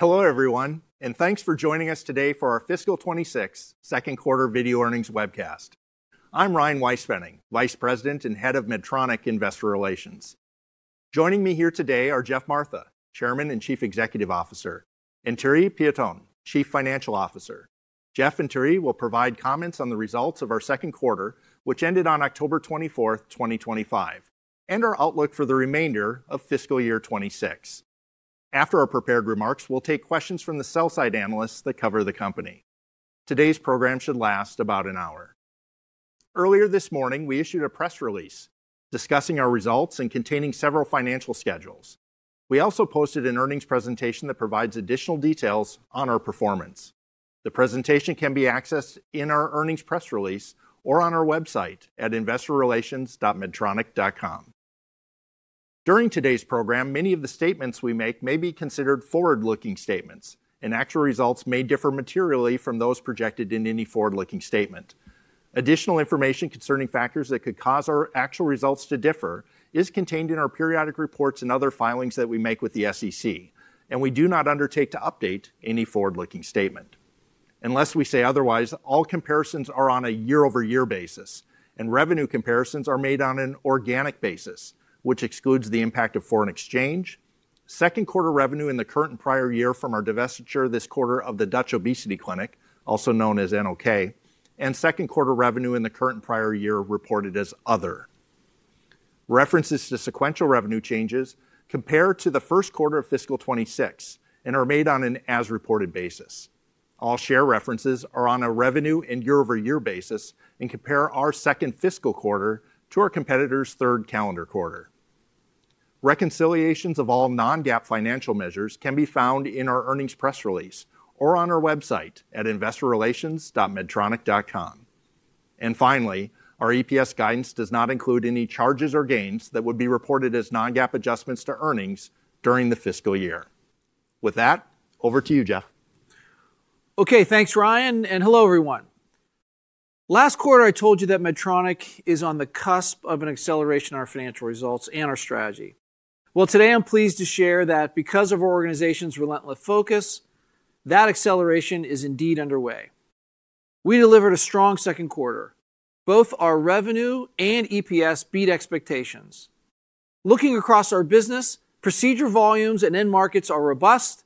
Hello everyone, and thanks for joining us today for our Fiscal 26 Second Quarter Video Earnings Webcast. I'm Ryan Weispfenning, Vice President and Head of Medtronic Investor Relations. Joining me here today are Jeff Martha, Chairman and Chief Executive Officer, and Thierry Piéton, Chief Financial Officer. Jeff and Thierry will provide comments on the results of our second quarter, which ended on October 24, 2025, and our outlook for the remainder of fiscal year 26. After our prepared remarks, we'll take questions from the sell-side analysts that cover the company. Today's program should last about an hour. Earlier this morning, we issued a press release discussing our results and containing several financial schedules. We also posted an earnings presentation that provides additional details on our performance. The presentation can be accessed in our earnings press release or on our website at investorrelations.medtronic.com. During today's program, many of the statements we make may be considered forward-looking statements, and actual results may differ materially from those projected in any forward-looking statement. Additional information concerning factors that could cause our actual results to differ is contained in our periodic reports and other filings that we make with the SEC, and we do not undertake to update any forward-looking statement. Unless we say otherwise, all comparisons are on a year-over-year basis, and revenue comparisons are made on an organic basis, which excludes the impact of foreign exchange, second quarter revenue in the current and prior year from our divestiture this quarter of the Dutch Obesity Clinic, also known as NOK, and second quarter revenue in the current and prior year reported as other. References to sequential revenue changes compare to the first quarter of fiscal 2026 and are made on an as-reported basis. All share references are on a revenue and year-over-year basis and compare our second fiscal quarter to our competitor's third calendar quarter. Reconciliations of all non-GAAP financial measures can be found in our earnings press release or on our website at investorrelations.medtronic.com. Finally, our EPS guidance does not include any charges or gains that would be reported as non-GAAP adjustments to earnings during the fiscal year. With that, over to you, Jeff. Okay, thanks Ryan, and hello everyone. Last quarter, I told you that Medtronic is on the cusp of an acceleration in our financial results and our strategy. Today I'm pleased to share that because of our organization's relentless focus, that acceleration is indeed underway. We delivered a strong second quarter. Both our revenue and EPS beat expectations. Looking across our business, procedure volumes and end markets are robust,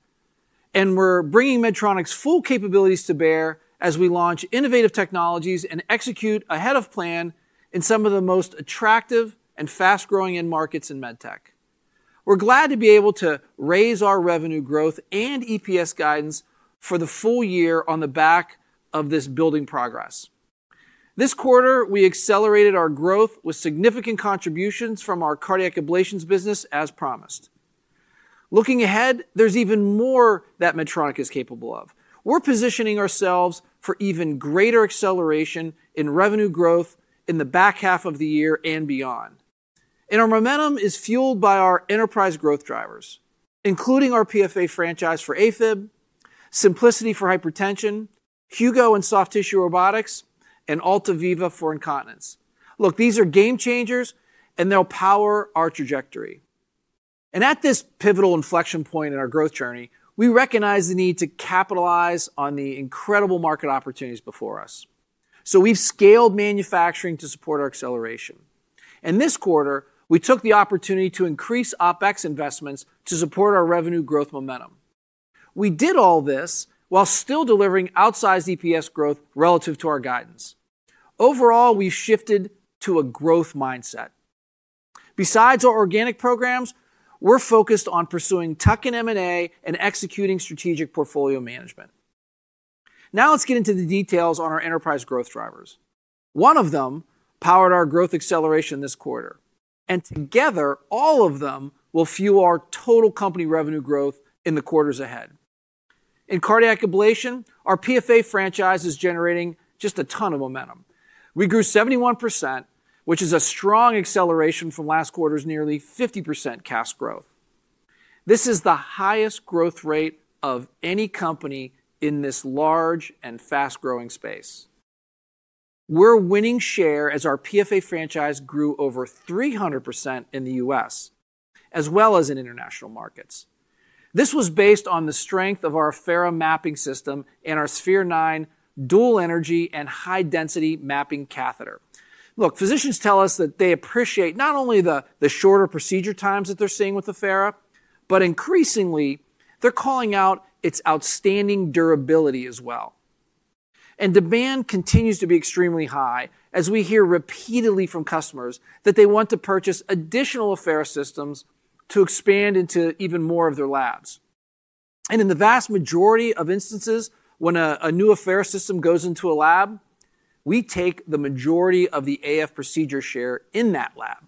and we're bringing Medtronic's full capabilities to bear as we launch innovative technologies and execute ahead of plan in some of the most attractive and fast-growing end markets in medtech. We're glad to be able to raise our revenue growth and EPS guidance for the full year on the back of this building progress. This quarter, we accelerated our growth with significant contributions from our cardiac ablations business, as promised. Looking ahead, there's even more that Medtronic is capable of. We're positioning ourselves for even greater acceleration in revenue growth in the back half of the year and beyond. Our momentum is fueled by our enterprise growth drivers, including our PFA franchise for AFib, Simplicity for hypertension, Hugo and soft tissue robotics, and AltaViva for incontinence. Look, these are game changers, and they'll power our trajectory. At this pivotal inflection point in our growth journey, we recognize the need to capitalize on the incredible market opportunities before us. We have scaled manufacturing to support our acceleration. This quarter, we took the opportunity to increase OpEx investments to support our revenue growth momentum. We did all this while still delivering outsized EPS growth relative to our guidance. Overall, we've shifted to a growth mindset. Besides our organic programs, we're focused on pursuing tuck-in M&A and executing strategic portfolio management. Now let's get into the details on our enterprise growth drivers. One of them powered our growth acceleration this quarter, and together, all of them will fuel our total company revenue growth in the quarters ahead. In cardiac ablation, our PFA franchise is generating just a ton of momentum. We grew 71%, which is a strong acceleration from last quarter's nearly 50% case growth. This is the highest growth rate of any company in this large and fast-growing space. We're winning share as our PFA franchise grew over 300% in the US, as well as in international markets. This was based on the strength of our Affera mapping system and our Sphere-9 dual energy and high-density mapping catheter. Look, physicians tell us that they appreciate not only the shorter procedure times that they're seeing with the Affera, but increasingly, they're calling out its outstanding durability as well. Demand continues to be extremely high as we hear repeatedly from customers that they want to purchase additional Affera systems to expand into even more of their labs. In the vast majority of instances, when a new Affera system goes into a lab, we take the majority of the AF procedure share in that lab.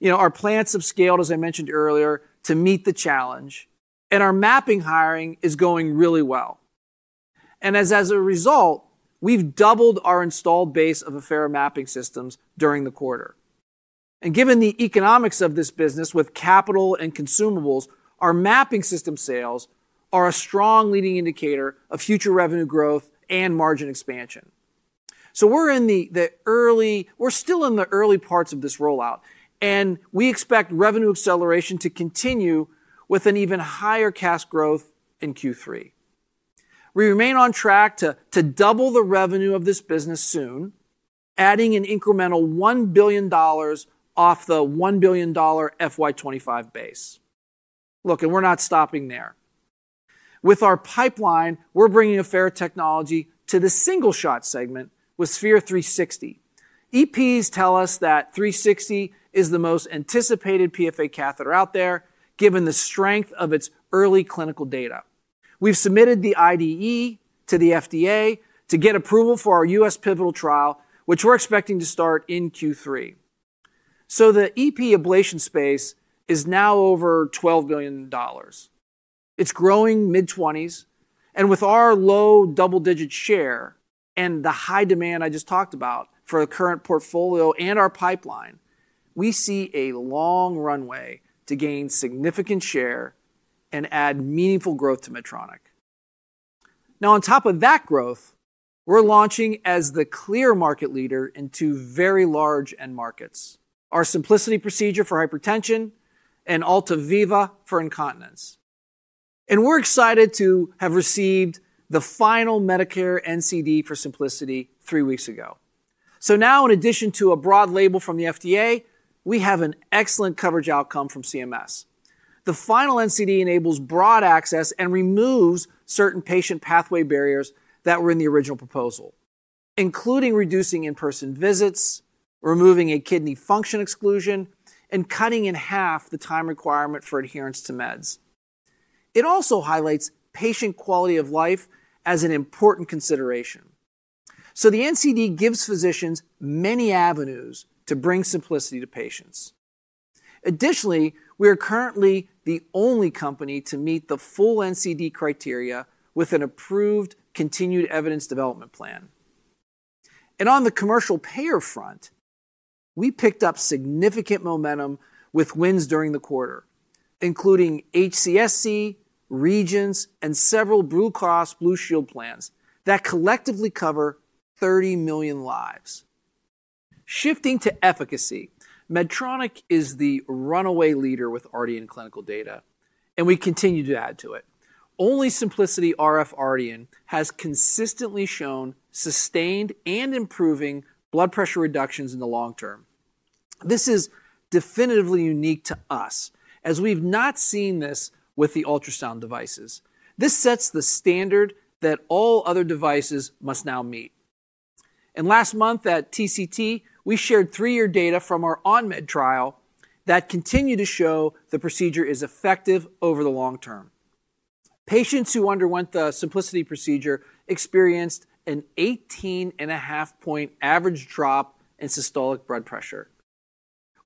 You know, our plants have scaled, as I mentioned earlier, to meet the challenge, and our mapping hiring is going really well. As a result, we have doubled our installed base of Affera mapping systems during the quarter. Given the economics of this business with capital and consumables, our mapping system sales are a strong leading indicator of future revenue growth and margin expansion. We're still in the early parts of this rollout, and we expect revenue acceleration to continue with an even higher cast growth in Q3. We remain on track to double the revenue of this business soon, adding an incremental $1 billion off the $1 billion FY25 base. Look, and we're not stopping there. With our pipeline, we're bringing Affera technology to the single shot segment with Sphere 360. EPs tell us that 360 is the most anticipated PFA catheter out there, given the strength of its early clinical data. We've submitted the IDE to the FDA to get approval for our US pivotal trial, which we're expecting to start in Q3. The EP ablation space is now over $12 billion. It's growing mid-20s, and with our low double-digit share and the high demand I just talked about for the current portfolio and our pipeline, we see a long runway to gain significant share and add meaningful growth to Medtronic. Now, on top of that growth, we're launching as the clear market leader into very large end markets: our Simplicity procedure for hypertension and AltaViva for incontinence. We're excited to have received the final Medicare NCD for Simplicity three weeks ago. Now, in addition to a broad label from the FDA, we have an excellent coverage outcome from CMS. The final NCD enables broad access and removes certain patient pathway barriers that were in the original proposal, including reducing in-person visits, removing a kidney function exclusion, and cutting in half the time requirement for adherence to meds. It also highlights patient quality of life as an important consideration. The NCD gives physicians many avenues to bring Simplicity to patients. Additionally, we are currently the only company to meet the full NCD criteria with an approved continued evidence development plan. On the commercial payer front, we picked up significant momentum with wins during the quarter, including HCSC, Regents, and several Blue Cross Blue Shield plans that collectively cover 30 million lives. Shifting to efficacy, Medtronic is the runaway leader with Ardian clinical data, and we continue to add to it. Only Simplicity RF Ardian has consistently shown sustained and improving blood pressure reductions in the long term. This is definitively unique to us, as we've not seen this with the ultrasound devices. This sets the standard that all other devices must now meet. Last month at TCT, we shared three-year data from our OnMed trial that continue to show the procedure is effective over the long term. Patients who underwent the Simplicity procedure experienced an 18.5-point average drop in systolic blood pressure.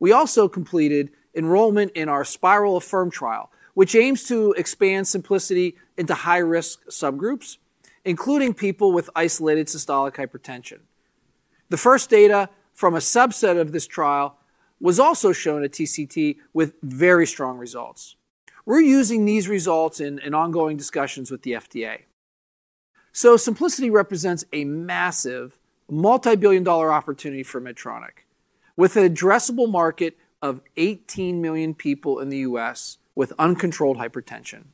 We also completed enrollment in our Spiral Affirm trial, which aims to expand Simplicity into high-risk subgroups, including people with isolated systolic hypertension. The first data from a subset of this trial was also shown at TCT with very strong results. We're using these results in ongoing discussions with the FDA. Simplicity represents a massive multi-billion dollar opportunity for Medtronic, with an addressable market of 18 million people in the US with uncontrolled hypertension.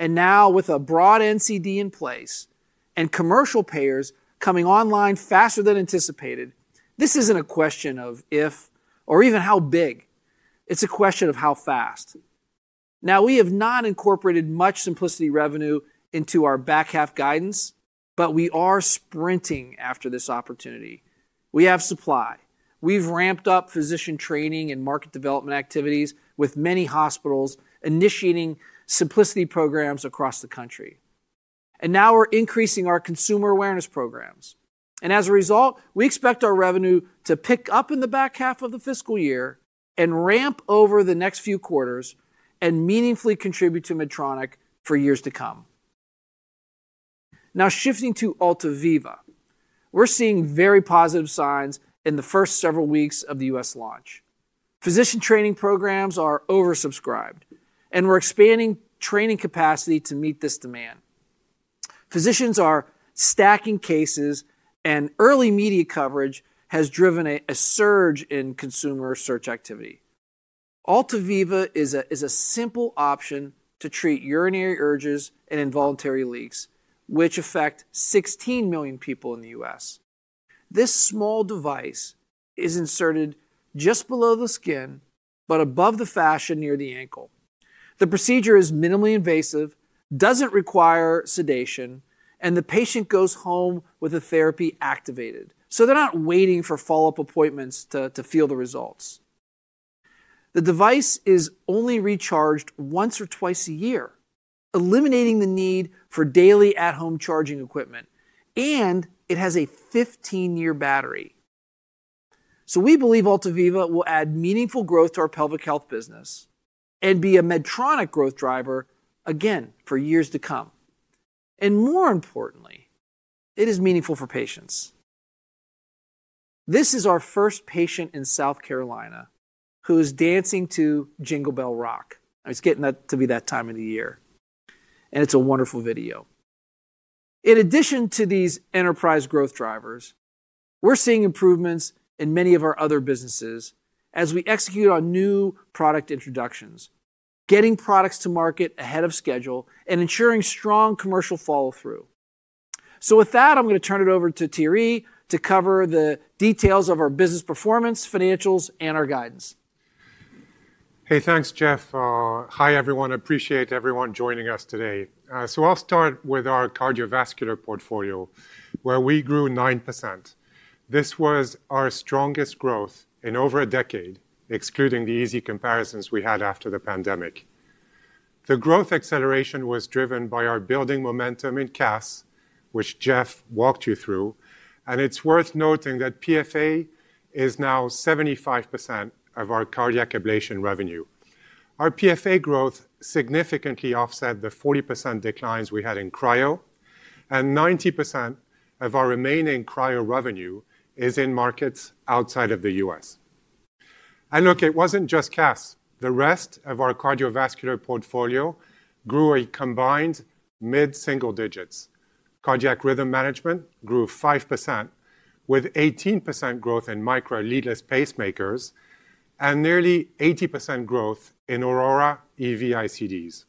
Now, with a broad NCD in place and commercial payers coming online faster than anticipated, this isn't a question of if or even how big. It's a question of how fast. Now, we have not incorporated much Simplicity revenue into our back half guidance, but we are sprinting after this opportunity. We have supply. We have ramped up physician training and market development activities with many hospitals initiating Simplicity programs across the country. Now we are increasing our consumer awareness programs. As a result, we expect our revenue to pick up in the back half of the fiscal year and ramp over the next few quarters and meaningfully contribute to Medtronic for years to come. Now, shifting to AltaViva, we are seeing very positive signs in the first several weeks of the US launch. Physician training programs are oversubscribed, and we are expanding training capacity to meet this demand. Physicians are stacking cases, and early media coverage has driven a surge in consumer search activity. AltaViva is a simple option to treat urinary urges and involuntary leaks, which affect 16 million people in the US. This small device is inserted just below the skin, but above the fascia near the ankle. The procedure is minimally invasive, does not require sedation, and the patient goes home with the therapy activated. They are not waiting for follow-up appointments to feel the results. The device is only recharged once or twice a year, eliminating the need for daily at-home charging equipment, and it has a 15-year battery. We believe AltaViva will add meaningful growth to our pelvic health business and be a Medtronic growth driver, again, for years to come. More importantly, it is meaningful for patients. This is our first patient in South Carolina who is dancing to Jingle Bell Rock. It's getting to be that time of the year, and it's a wonderful video. In addition to these enterprise growth drivers, we're seeing improvements in many of our other businesses as we execute on new product introductions, getting products to market ahead of schedule, and ensuring strong commercial follow-through. With that, I'm going to turn it over to Thierry to cover the details of our business performance, financials, and our guidance. Hey, thanks, Jeff. Hi everyone. Appreciate everyone joining us today. I'll start with our cardiovascular portfolio, where we grew 9%. This was our strongest growth in over a decade, excluding the easy comparisons we had after the pandemic. The growth acceleration was driven by our building momentum in CAST, which Jeff walked you through, and it's worth noting that PFA is now 75% of our cardiac ablation revenue. Our PFA growth significantly offset the 40% declines we had in cryo, and 90% of our remaining cryo revenue is in markets outside of the U.S. It was not just CAST. The rest of our cardiovascular portfolio grew a combined mid-single digits. Cardiac rhythm management grew 5%, with 18% growth in Micra leadless pacemakers and nearly 80% growth in Aurora EV-ICDs.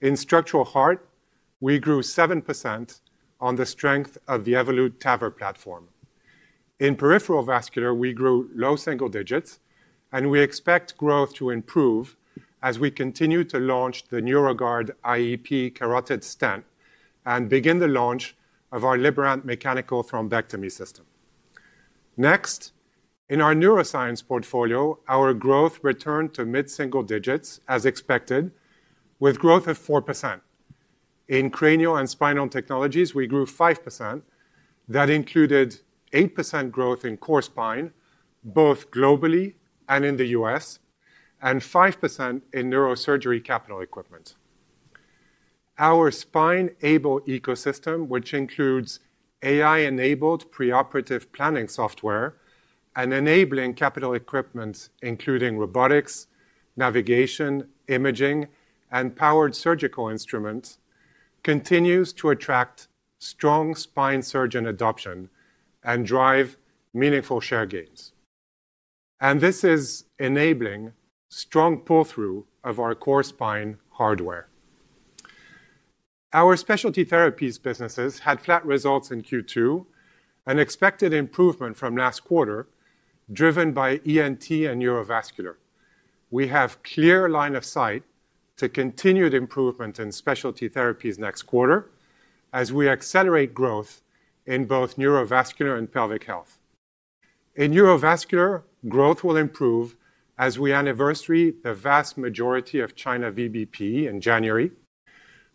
In structural heart, we grew 7% on the strength of the Evolut TAVR platform. In peripheral vascular, we grew low single digits, and we expect growth to improve as we continue to launch the NeuroGuard IEP carotid stent and begin the launch of our Librand mechanical thrombectomy system. Next, in our neuroscience portfolio, our growth returned to mid-single digits as expected, with growth of 4%. In cranial and spinal technologies, we grew 5%. That included 8% growth in core spine, both globally and in the US, and 5% in neurosurgery capital equipment. Our Spine-AiBLE ecosystem, which includes AI-enabled pre-operative planning software and enabling capital equipment, including robotics, navigation, imaging, and powered surgical instruments, continues to attract strong spine surgeon adoption and drive meaningful share gains. This is enabling strong pull-through of our core spine hardware. Our specialty therapies businesses had flat results in Q2 and expected improvement from last quarter, driven by ENT and Neurovascular. We have a clear line of sight to continued improvement in specialty therapies next quarter as we accelerate growth in both neurovascular and pelvic health. In neurovascular, growth will improve as we anniversary the vast majority of China VBP in January.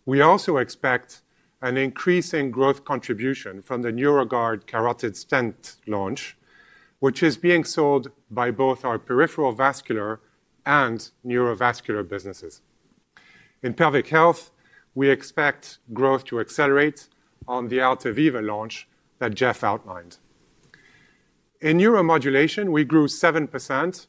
We also expect an increase in growth contribution from the NeuroGuard IEP carotid stent launch, which is being sold by both our peripheral vascular and neurovascular businesses. In pelvic health, we expect growth to accelerate on the AltaViva launch that Jeff outlined. In neuromodulation, we grew 7%.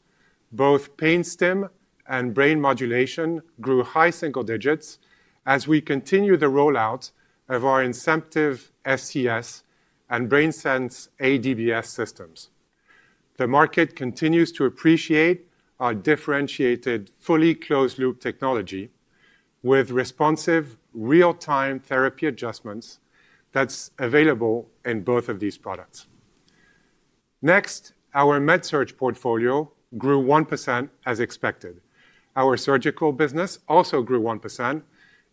Both pain stim and brain modulation grew high single digits as we continue the rollout of our Inceptiv ICS and BrainSense ADBS systems. The market continues to appreciate our differentiated fully closed-loop technology with responsive real-time therapy adjustments that's available in both of these products. Next, our med surg portfolio grew 1% as expected. Our surgical business also grew 1%,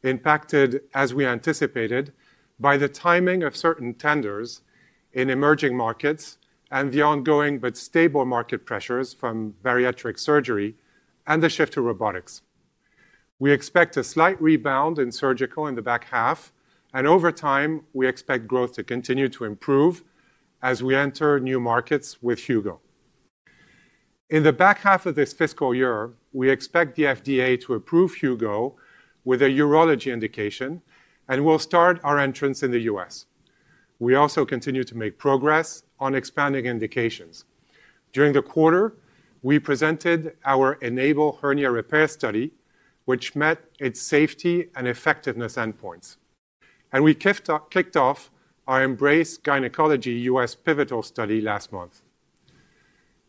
impacted as we anticipated by the timing of certain tenders in emerging markets and the ongoing but stable market pressures from bariatric surgery and the shift to robotics. We expect a slight rebound in surgical in the back half, and over time, we expect growth to continue to improve as we enter new markets with Hugo. In the back half of this fiscal year, we expect the FDA to approve Hugo with a urology indication and will start our entrance in the U.S. We also continue to make progress on expanding indications. During the quarter, we presented our Enable Hernia Repair study, which met its safety and effectiveness endpoints, and we kicked off our Embrace Gynecology U.S. pivotal study last month.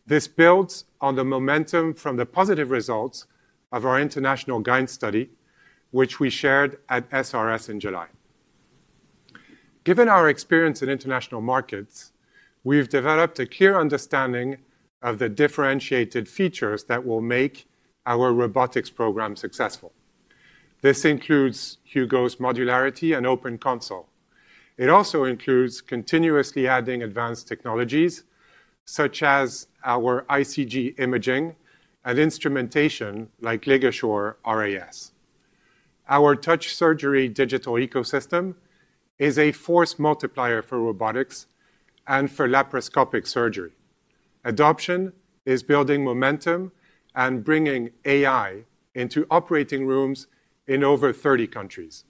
This builds on the momentum from the positive results of our international GAINT study, which we shared at SRS in July. Given our experience in international markets, we've developed a clear understanding of the differentiated features that will make our robotics program successful. This includes Hugo's modularity and open console. It also includes continuously adding advanced technologies such as our ICG imaging and instrumentation like LigaSure RAS. Our Touch Surgery digital ecosystem is a force multiplier for robotics and for laparoscopic surgery. Adoption is building momentum and bringing AI into operating rooms in over 30 countries.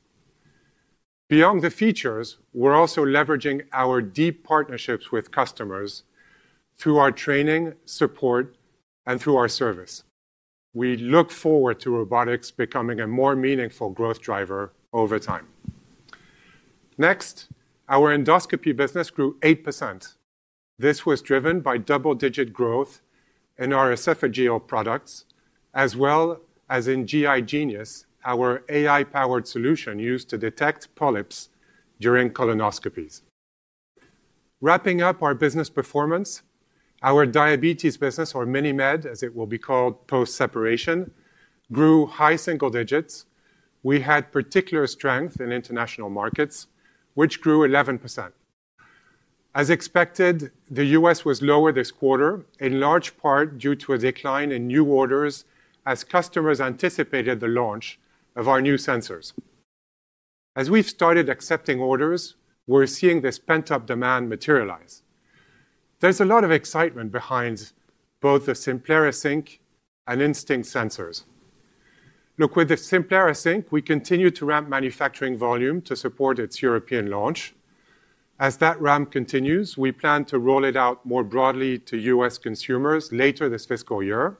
Beyond the features, we're also leveraging our deep partnerships with customers through our training, support, and through our service. We look forward to robotics becoming a more meaningful growth driver over time. Next, our endoscopy business grew 8%. This was driven by double-digit growth in our esophageal products, as well as in GI Genius, our AI-powered solution used to detect polyps during colonoscopies. Wrapping up our business performance, our diabetes business, or MiniMed, as it will be called post-separation, grew high single digits. We had particular strength in international markets, which grew 11%. As expected, the U.S. was lower this quarter, in large part due to a decline in new orders as customers anticipated the launch of our new sensors. As we've started accepting orders, we're seeing this pent-up demand materialize. There's a lot of excitement behind both the Simplera Sync and Instinct sensors. Look, with the Simplera Sync, we continue to ramp manufacturing volume to support its European launch. As that ramp continues, we plan to roll it out more broadly to U.S. consumers later this fiscal year.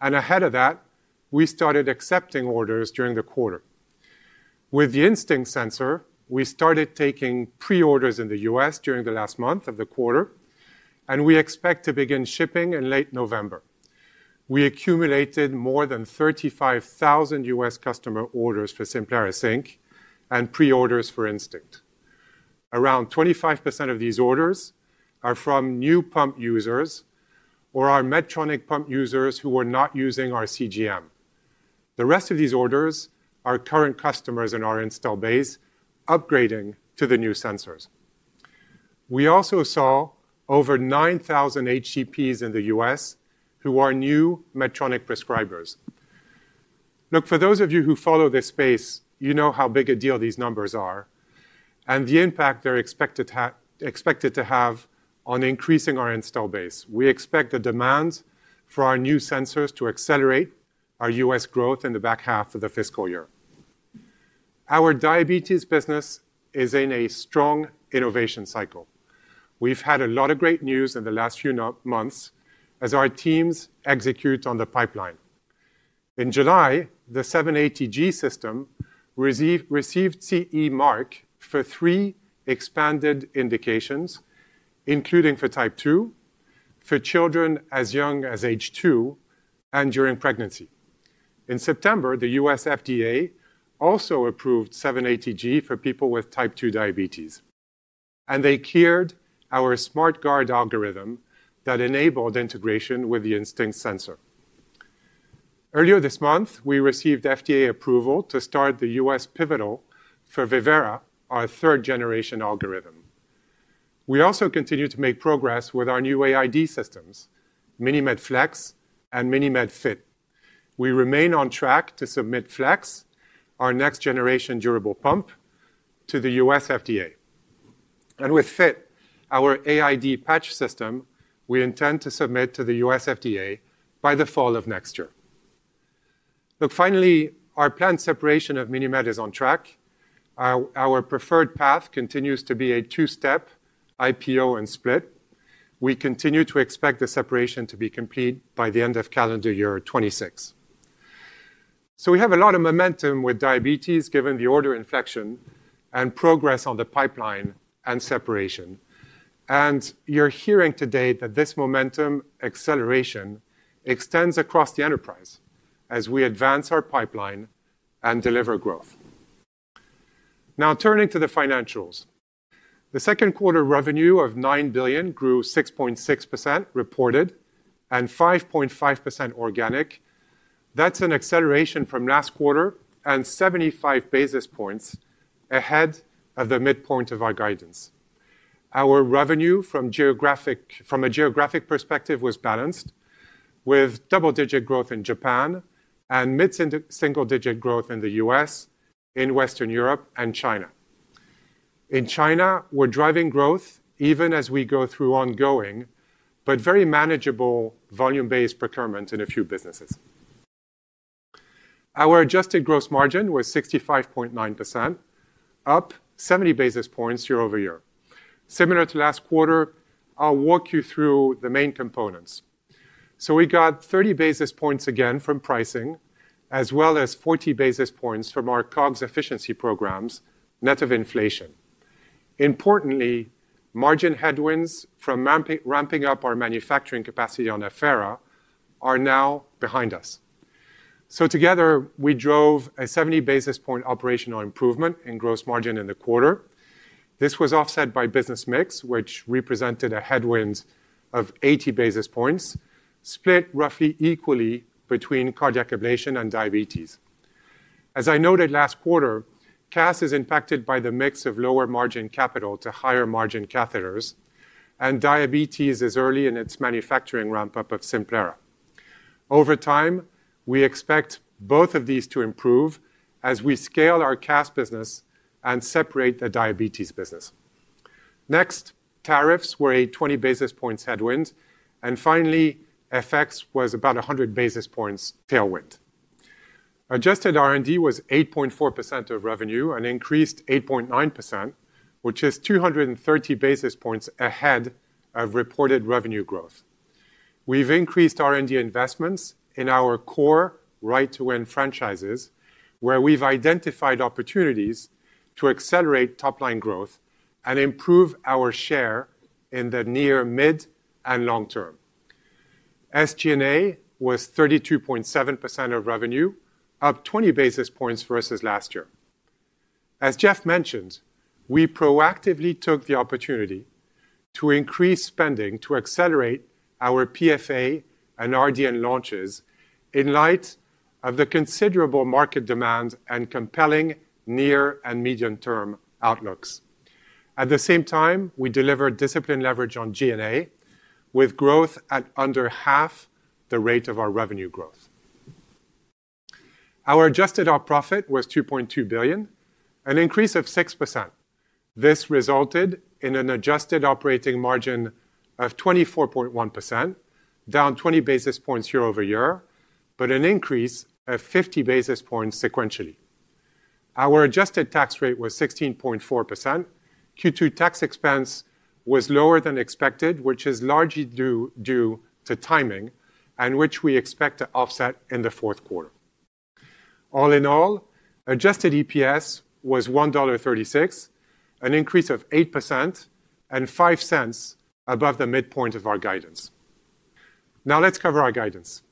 Ahead of that, we started accepting orders during the quarter. With the Instinct sensor, we started taking pre-orders in the US during the last month of the quarter, and we expect to begin shipping in late November. We accumulated more than 35,000 US customer orders for Simplera Sync and pre-orders for Instinct. Around 25% of these orders are from new pump users or our Medtronic pump users who are not using our CGM. The rest of these orders are current customers in our install base upgrading to the new sensors. We also saw over 9,000 HCPs in the US who are new Medtronic prescribers. Look, for those of you who follow this space, you know how big a deal these numbers are and the impact they're expected to have on increasing our install base. We expect the demand for our new sensors to accelerate our US growth in the back half of the fiscal year. Our diabetes business is in a strong innovation cycle. We've had a lot of great news in the last few months as our teams execute on the pipeline. In July, the 780G system received CE mark for three expanded indications, including for type 2, for children as young as age 2, and during pregnancy. In September, the U.S. FDA also approved 780G for people with type 2 diabetes, and they cleared our SmartGuard algorithm that enabled integration with the Instinct sensor. Earlier this month, we received FDA approval to start the U.S. pivotal for Vivera, our third-generation algorithm. We also continue to make progress with our new AID systems, MiniMed Flex and MiniMed Fit. We remain on track to submit Flex, our next-generation durable pump, to the U.S. FDA. With Fit, our AID patch system, we intend to submit to the US FDA by the fall of next year. Finally, our planned separation of MiniMed is on track. Our preferred path continues to be a two-step IPO and split. We continue to expect the separation to be complete by the end of calendar year 2026. We have a lot of momentum with diabetes given the order infection and progress on the pipeline and separation. You are hearing today that this momentum acceleration extends across the enterprise as we advance our pipeline and deliver growth. Now, turning to the financials, the second quarter revenue of $9 billion grew 6.6% reported and 5.5% organic. That is an acceleration from last quarter and 75 basis points ahead of the midpoint of our guidance. Our revenue from a geographic perspective was balanced with double-digit growth in Japan and mid-single-digit growth in the US, in Western Europe, and China. In China, we're driving growth even as we go through ongoing, but very manageable volume-based procurement in a few businesses. Our adjusted gross margin was 65.9%, up 70 basis points year over year. Similar to last quarter, I'll walk you through the main components. We got 30 basis points again from pricing, as well as 40 basis points from our COGS efficiency programs net of inflation. Importantly, margin headwinds from ramping up our manufacturing capacity on Affera are now behind us. Together, we drove a 70 basis point operational improvement in gross margin in the quarter. This was offset by business mix, which represented a headwind of 80 basis points split roughly equally between cardiac ablation and diabetes. As I noted last quarter, COGS is impacted by the mix of lower margin capital to higher margin catheters, and diabetes is early in its manufacturing ramp-up of Simplera. Over time, we expect both of these to improve as we scale our COGS business and separate the diabetes business. Next, tariffs were a 20 basis points headwind, and finally, FX was about 100 basis points tailwind. Adjusted R&D was 8.4% of revenue and increased 8.9%, which is 230 basis points ahead of reported revenue growth. We've increased R&D investments in our core right-to-win franchises, where we've identified opportunities to accelerate top-line growth and improve our share in the near, mid, and long term. SG&A was 32.7% of revenue, up 20 basis points versus last year. As Jeff mentioned, we proactively took the opportunity to increase spending to accelerate our PFA and RDN launches in light of the considerable market demand and compelling near and medium-term outlooks. At the same time, we delivered discipline leverage on G&A with growth at under half the rate of our revenue growth. Our adjusted R profit was $2.2 billion, an increase of 6%. This resulted in an adjusted operating margin of 24.1%, down 20 basis points year over year, but an increase of 50 basis points sequentially. Our adjusted tax rate was 16.4%. Q2 tax expense was lower than expected, which is largely due to timing and which we expect to offset in the fourth quarter. All in all, adjusted EPS was $1.36, an increase of 8% and 5 cents above the midpoint of our guidance. Now let's cover our guidance.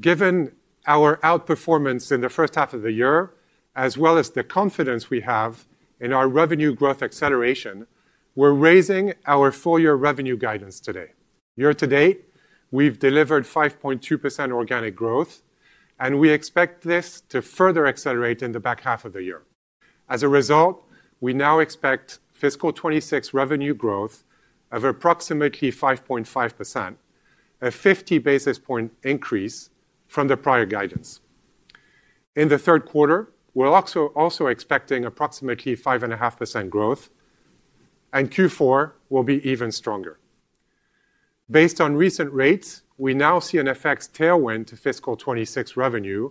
Given our outperformance in the first half of the year, as well as the confidence we have in our revenue growth acceleration, we're raising our full-year revenue guidance today. Year to date, we've delivered 5.2% organic growth, and we expect this to further accelerate in the back half of the year. As a result, we now expect fiscal 2026 revenue growth of approximately 5.5%, a 50 basis point increase from the prior guidance. In the third quarter, we're also expecting approximately 5.5% growth, and Q4 will be even stronger. Based on recent rates, we now see an FX tailwind to fiscal 2026 revenue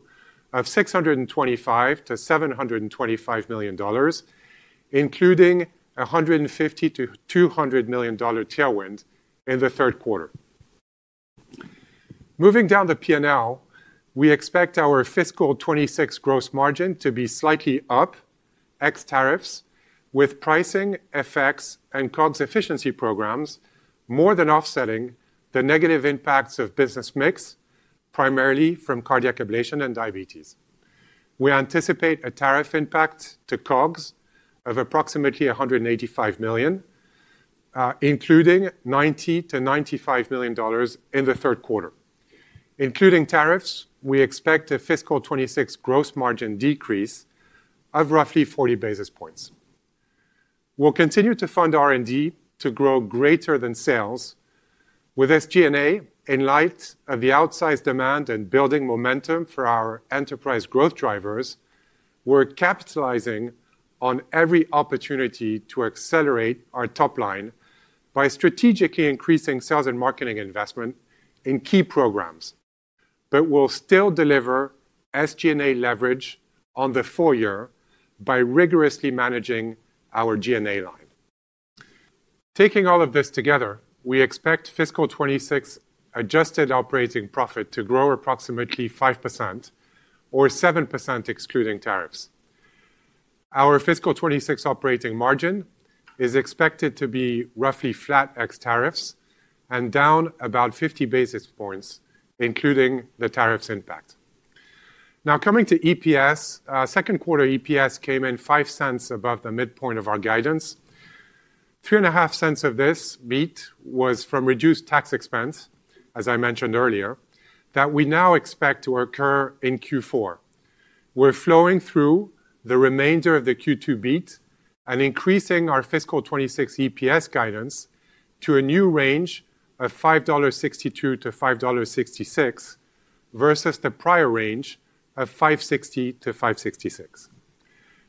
of $625 million-$725 million, including a $150 million-$200 million tailwind in the third quarter. Moving down the P&L, we expect our fiscal 2026 gross margin to be slightly up ex-tariffs, with pricing, FX, and COGS efficiency programs more than offsetting the negative impacts of business mix, primarily from cardiac ablation and diabetes. We anticipate a tariff impact to COGS of approximately $185 million, including $90-$95 million in the third quarter. Including tariffs, we expect a fiscal 2026 gross margin decrease of roughly 40 basis points. We'll continue to fund R&D to grow greater than sales. With SG&A, in light of the outsized demand and building momentum for our enterprise growth drivers, we're capitalizing on every opportunity to accelerate our top line by strategically increasing sales and marketing investment in key programs, but we'll still deliver SG&A leverage on the full year by rigorously managing our G&A line. Taking all of this together, we expect fiscal 2026 adjusted operating profit to grow approximately 5% or 7% excluding tariffs. Our fiscal 2026 operating margin is expected to be roughly flat ex tariffs and down about 50 basis points, including the tariffs impact. Now coming to EPS, second quarter EPS came in $0.05 above the midpoint of our guidance. $0.035 of this beat was from reduced tax expense, as I mentioned earlier, that we now expect to occur in Q4. We're flowing through the remainder of the Q2 beat and increasing our fiscal 2026 EPS guidance to a new range of $5.62-$5.66 versus the prior range of $5.60-$5.66.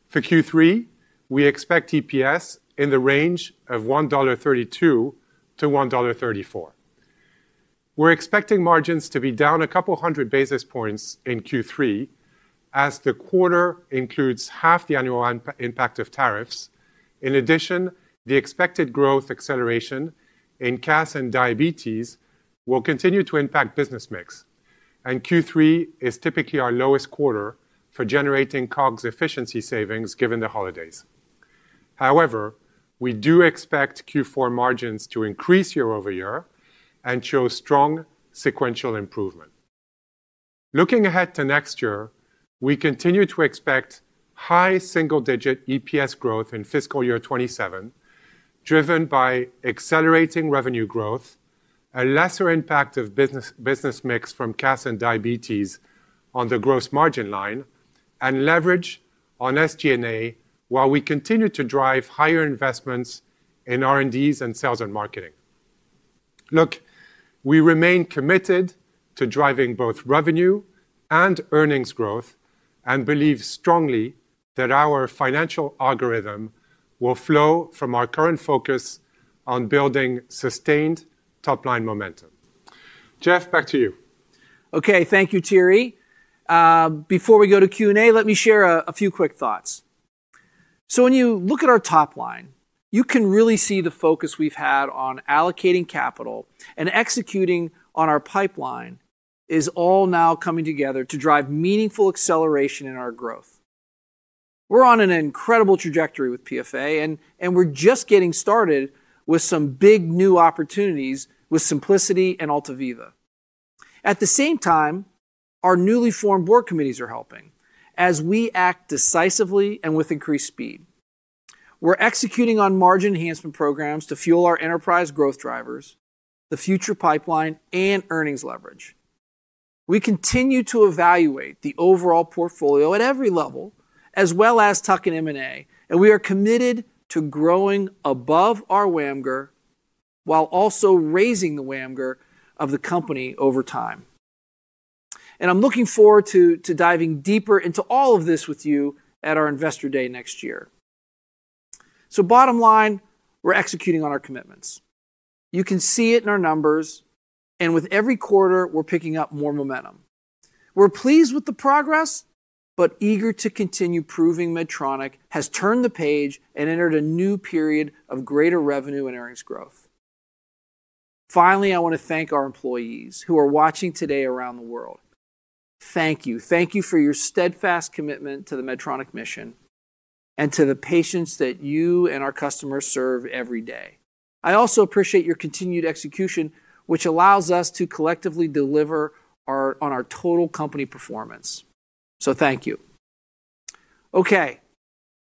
For Q3, we expect EPS in the range of $1.32-$1.34. We're expecting margins to be down a couple hundred basis points in Q3 as the quarter includes half the annual impact of tariffs. In addition, the expected growth acceleration in CAST and diabetes will continue to impact business mix, and Q3 is typically our lowest quarter for generating COGS efficiency savings given the holidays. However, we do expect Q4 margins to increase year over year and show strong sequential improvement. Looking ahead to next year, we continue to expect high single-digit EPS growth in fiscal year 2027, driven by accelerating revenue growth, a lesser impact of business mix from CAST and diabetes on the gross margin line, and leverage on SG&A while we continue to drive higher investments in R&D and sales and marketing. Look, we remain committed to driving both revenue and earnings growth and believe strongly that our financial algorithm will flow from our current focus on building sustained top-line momentum. Jeff, back to you. Okay, thank you, Thierry. Before we go to Q&A, let me share a few quick thoughts. When you look at our top line, you can really see the focus we've had on allocating capital and executing on our pipeline is all now coming together to drive meaningful acceleration in our growth. We're on an incredible trajectory with PFA, and we're just getting started with some big new opportunities with Simplicity and AltaViva. At the same time, our newly formed board committees are helping as we act decisively and with increased speed. We're executing on margin enhancement programs to fuel our enterprise growth drivers, the future pipeline, and earnings leverage. We continue to evaluate the overall portfolio at every level, as well as tuck and M&A, and we are committed to growing above our WAMGR while also raising the WAMGR of the company over time. I'm looking forward to diving deeper into all of this with you at our investor day next year. Bottom line, we're executing on our commitments. You can see it in our numbers, and with every quarter, we're picking up more momentum. We're pleased with the progress, but eager to continue proving Medtronic has turned the page and entered a new period of greater revenue and earnings growth. Finally, I want to thank our employees who are watching today around the world. Thank you. Thank you for your steadfast commitment to the Medtronic mission and to the patients that you and our customers serve every day. I also appreciate your continued execution, which allows us to collectively deliver on our total company performance. Thank you. Okay,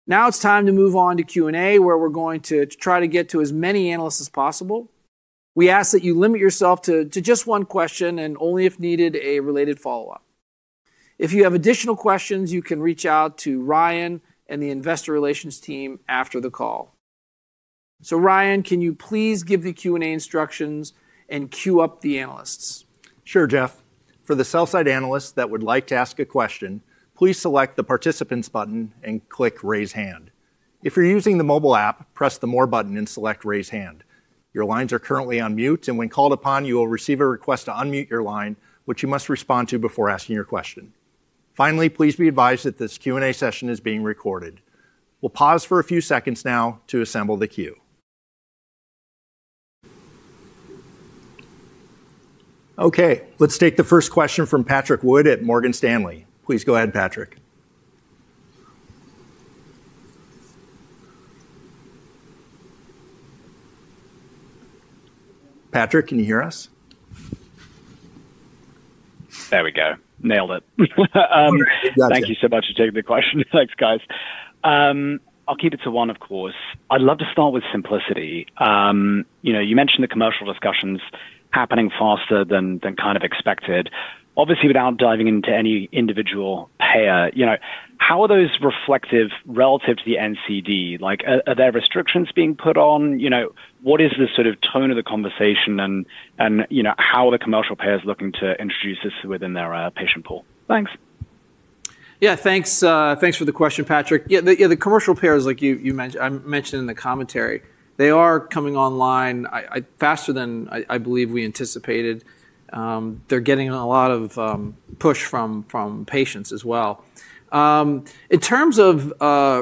now it's time to move on to Q&A, where we're going to try to get to as many analysts as possible. We ask that you limit yourself to just one question and only, if needed, a related follow-up. If you have additional questions, you can reach out to Ryan and the investor relations team after the call. Ryan, can you please give the Q&A instructions and queue up the analysts? Sure, Jeff. For the sell-side analysts that would like to ask a question, please select the participants button and click Raise Hand. If you're using the mobile app, press the More button and select Raise Hand. Your lines are currently on mute, and when called upon, you will receive a request to unmute your line, which you must respond to before asking your question. Finally, please be advised that this Q&A session is being recorded. We'll pause for a few seconds now to assemble the queue. Okay, let's take the first question from Patrick Wood at Morgan Stanley. Please go ahead, Patrick. Patrick, can you hear us? There we go. Nailed it. Thank you so much for taking the question. Thanks, guys. I'll keep it to one, of course. I'd love to start with Simplicity. You mentioned the commercial discussions happening faster than kind of expected. Obviously, without diving into any individual payer, how are those reflective relative to the NCD? Are there restrictions being put on? What is the sort of tone of the conversation, and how are the commercial payers looking to introduce this within their patient pool? Thanks. Yeah, thanks for the question, Patrick. Yeah, the commercial payers, like you mentioned in the commentary, they are coming online faster than I believe we anticipated. They're getting a lot of push from patients as well. In terms of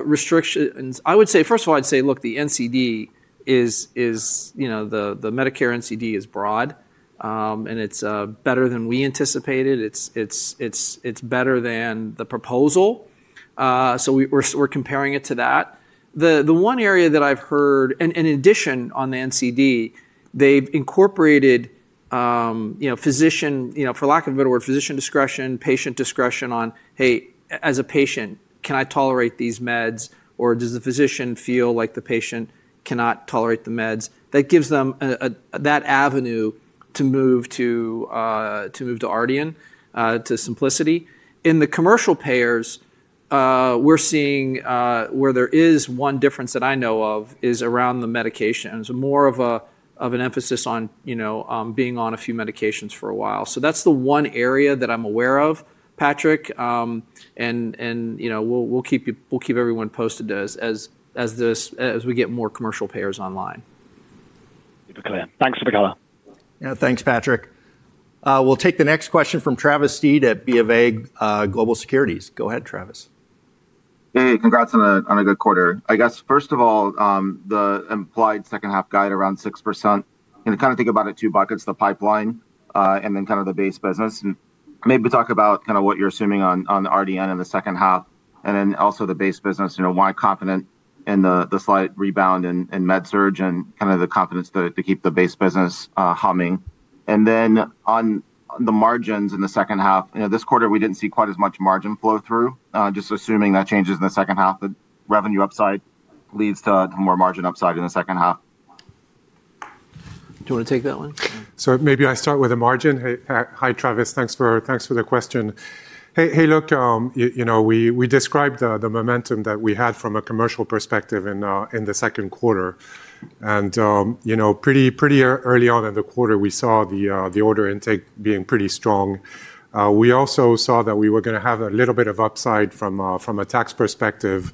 restrictions, I would say, first of all, I'd say, look, the NCD is the Medicare NCD is broad, and it's better than we anticipated. It's better than the proposal. We're comparing it to that. The one area that I've heard, in addition on the NCD, they've incorporated physician, for lack of a better word, physician discretion, patient discretion on, "Hey, as a patient, can I tolerate these meds, or does the physician feel like the patient cannot tolerate the meds?" That gives them that avenue to move to RDN, to Simplicity. In the commercial payers, we're seeing where there is one difference that I know of is around the medications. More of an emphasis on being on a few medications for a while. That's the one area that I'm aware of, Patrick, and we'll keep everyone posted as we get more commercial payers online. Thanks, Abaghara. Yeah, thanks, Patrick. We'll take the next question from Travis Steed at BofA Global Securities. Go ahead, Travis. Hey, congrats on a good quarter. I guess, first of all, the implied second-half guide around 6%. Kind of think about it two buckets: the pipeline and then kind of the base business. Maybe talk about what you're assuming on the RDN in the second half, and then also the base business, why confident in the slight rebound in med surge and the confidence to keep the base business humming. On the margins in the second half, this quarter, we did not see quite as much margin flow through. Just assuming that changes in the second half, the revenue upside leads to more margin upside in the second half. Do you want to take that one? Maybe I start with the margin. Hi, Travis. Thanks for the question. Hey, look, we described the momentum that we had from a commercial perspective in the second quarter. Pretty early on in the quarter, we saw the order intake being pretty strong. We also saw that we were going to have a little bit of upside from a tax perspective,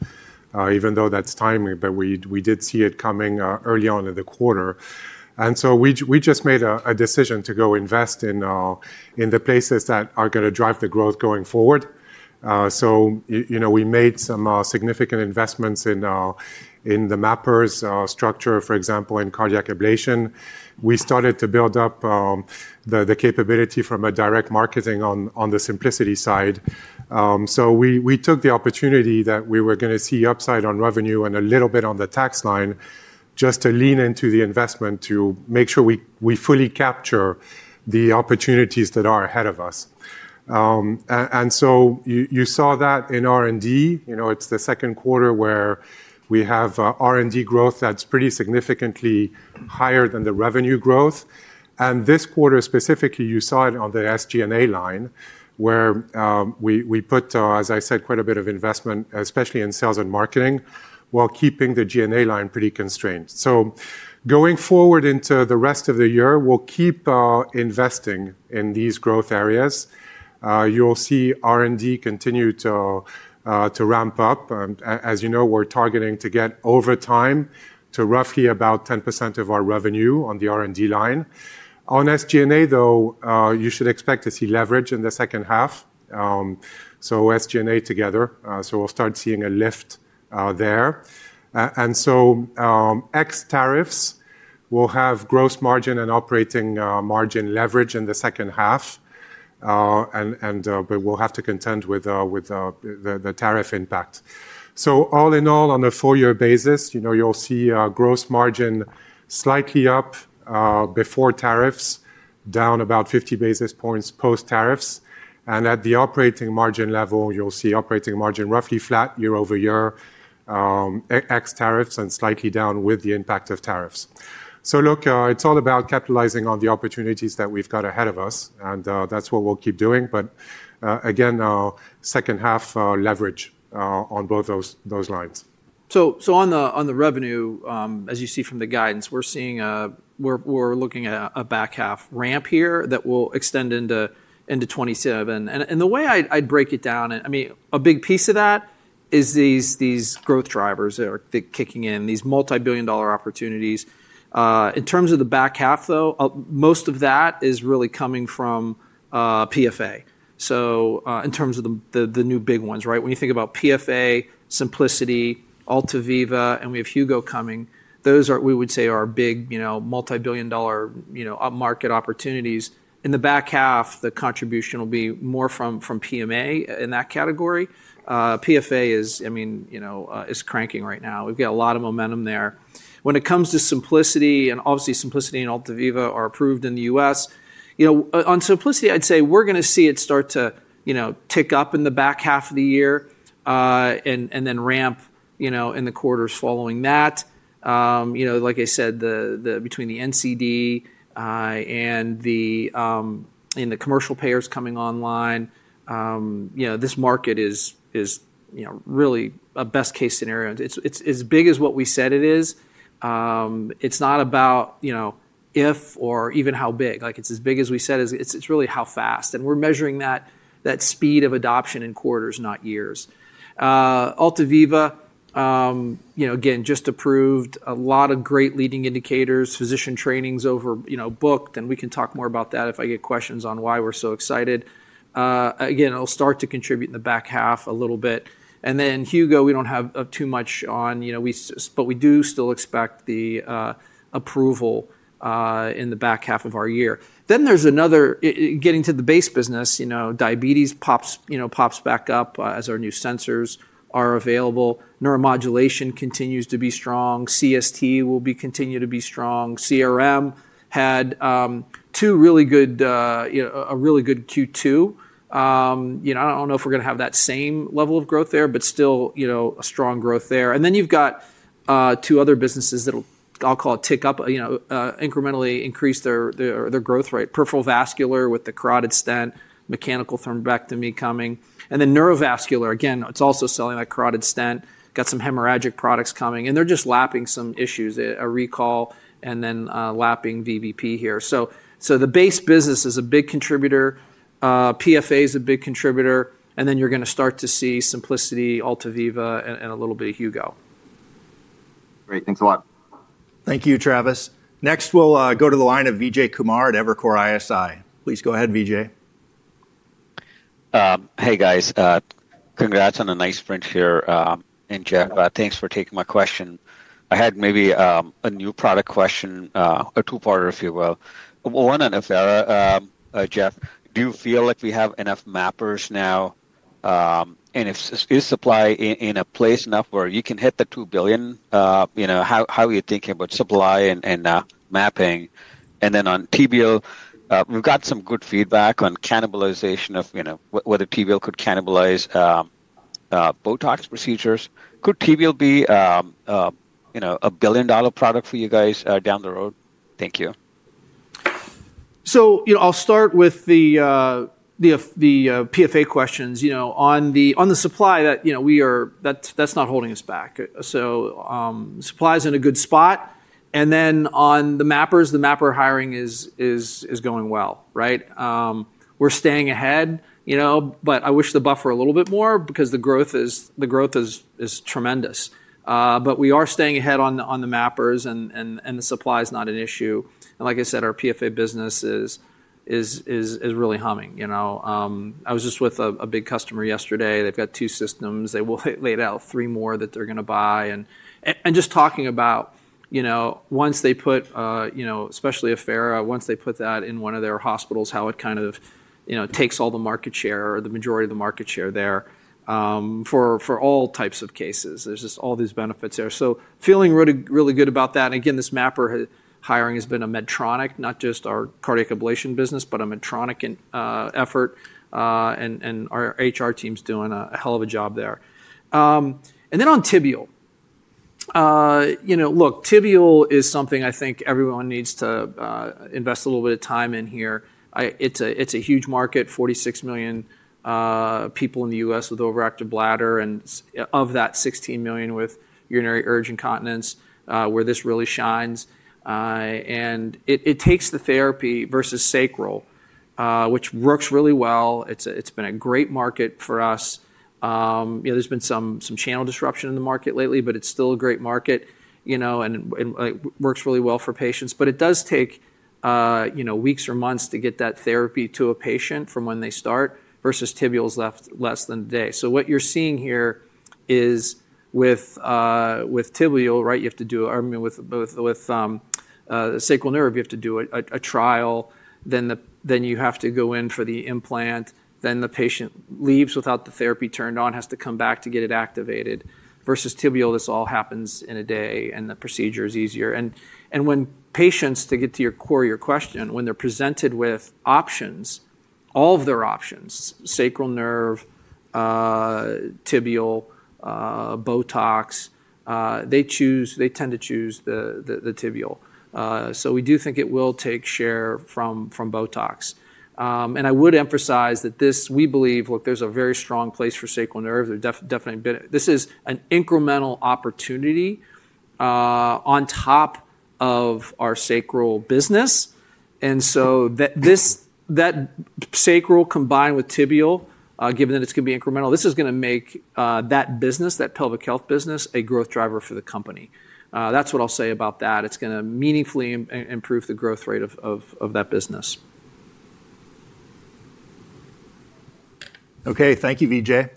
even though that is timing, but we did see it coming early on in the quarter. We just made a decision to go invest in the places that are going to drive the growth going forward. We made some significant investments in the MAPRS structure, for example, in cardiac ablation. We started to build up the capability from a direct marketing on the Simplicity side. We took the opportunity that we were going to see upside on revenue and a little bit on the tax line just to lean into the investment to make sure we fully capture the opportunities that are ahead of us. You saw that in R&D. It's the second quarter where we have R&D growth that's pretty significantly higher than the revenue growth. This quarter, specifically, you saw it on the SG&A line, where we put, as I said, quite a bit of investment, especially in sales and marketing, while keeping the G&A line pretty constrained. Going forward into the rest of the year, we'll keep investing in these growth areas. You'll see R&D continue to ramp up. As you know, we're targeting to get over time to roughly about 10% of our revenue on the R&D line. On SG&A, though, you should expect to see leverage in the second half. SG&A together. We'll start seeing a lift there. Ex tariffs, we'll have gross margin and operating margin leverage in the second half, but we'll have to contend with the tariff impact. All in all, on a four-year basis, you'll see gross margin slightly up before tariffs, down about 50 basis points post-tariffs. At the operating margin level, you'll see operating margin roughly flat year over year, ex tariffs, and slightly down with the impact of tariffs. Look, it's all about capitalizing on the opportunities that we've got ahead of us, and that's what we'll keep doing. Again, second half leverage on both those lines. On the revenue, as you see from the guidance, we're looking at a back half ramp here that will extend into 2027. The way I'd break it down, I mean, a big piece of that is these growth drivers that are kicking in, these multi-billion dollar opportunities. In terms of the back half, though, most of that is really coming from PFA. In terms of the new big ones, right, when you think about PFA, Simplicity, AltaViva, and we have Hugo coming, those are, we would say, our big multi-billion dollar upmarket opportunities. In the back half, the contribution will be more from PMA in that category. PFA is, I mean, is cranking right now. We've got a lot of momentum there. When it comes to Simplicity, and obviously, Simplicity and AltaViva are approved in the US. On Simplicity, I'd say we're going to see it start to tick up in the back half of the year and then ramp in the quarters following that. Like I said, between the NCD and the commercial payers coming online, this market is really a best-case scenario. It's as big as what we said it is. It's not about if or even how big. It's as big as we said it's really how fast. We're measuring that speed of adoption in quarters, not years. AltaViva, again, just approved. A lot of great leading indicators. Physician trainings booked, and we can talk more about that if I get questions on why we're so excited. It'll start to contribute in the back half a little bit. Hugo, we do not have too much on, but we do still expect the approval in the back half of our year. There's another, getting to the base business. Diabetes pops back up as our new sensors are available. Neuromodulation continues to be strong. CST will continue to be strong. CRM had a really good Q2. I do not know if we're going to have that same level of growth there, but still a strong growth there. You've got two other businesses that, I'll call it, tick up, incrementally increase their growth rate. Peripheral vascular with the carotid stent, mechanical thrombectomy coming. Then neurovascular, again, it's also selling that carotid stent. Got some hemorrhagic products coming. They're just lapping some issues, a recall, and then lapping VBP here. The base business is a big contributor. PFA is a big contributor. You're going to start to see Simplicity, AltaViva, and a little bit of Hugo. Great. Thanks a lot. Thank you, Travis. Next, we'll go to the line of Vijay Kumar at Evercore ISI. Please go ahead, Vijay. Hey, guys. Congrats on a nice sprint here. Jeff, thanks for taking my question. I had maybe a new product question, a two-parter, if you will. One in Affera, Jeff, do you feel like we have enough MAPRS now? Is supply in a place enough where you can hit the $2 billion? How are you thinking about supply and mapping? And then on TBL, we've got some good feedback on cannibalization of whether TBL could cannibalize Botox procedures. Could TBL be a billion-dollar product for you guys down the road? Thank you. I'll start with the PFA questions. On the supply, that's not holding us back. Supply is in a good spot. On the MAPRS, the MAPR hiring is going well, right? We're staying ahead, but I wish the buffer was a little bit more because the growth is tremendous. We are staying ahead on the MAPRS, and supply is not an issue. Like I said, our PFA business is really humming. I was just with a big customer yesterday. They've got two systems. They laid out three more that they're going to buy. Just talking about once they put, especially Affera, once they put that in one of their hospitals, how it kind of takes all the market share or the majority of the market share there for all types of cases. There are just all these benefits there. Feeling really good about that. Again, this MAPR hiring has been a Medtronic, not just our cardiac ablation business, but a Medtronic effort. Our HR team's doing a hell of a job there. On Tibial, look, Tibial is something I think everyone needs to invest a little bit of time in here. It is a huge market, 46 million people in the US with overactive bladder, and of that, 16 million with urinary urge incontinence, where this really shines. It takes the therapy versus sacral, which works really well. It has been a great market for us. There's been some channel disruption in the market lately, but it's still a great market and works really well for patients. It does take weeks or months to get that therapy to a patient from when they start versus Tibial's less than a day. What you're seeing here is with Tibial, right, you have to do with sacral nerve, you have to do a trial, then you have to go in for the implant, then the patient leaves without the therapy turned on, has to come back to get it activated. Versus Tibial, this all happens in a day, and the procedure is easier. When patients, to get to your quarter question, when they're presented with options, all of their options, sacral nerve, Tibial, Botox, they tend to choose the Tibial. We do think it will take share from Botox. I would emphasize that this, we believe, look, there is a very strong place for sacral nerve. This is an incremental opportunity on top of our sacral business. That sacral combined with Tibial, given that it is going to be incremental, is going to make that business, that pelvic health business, a growth driver for the company. That is what I will say about that. It is going to meaningfully improve the growth rate of that business. Okay. Thank you, Vijay.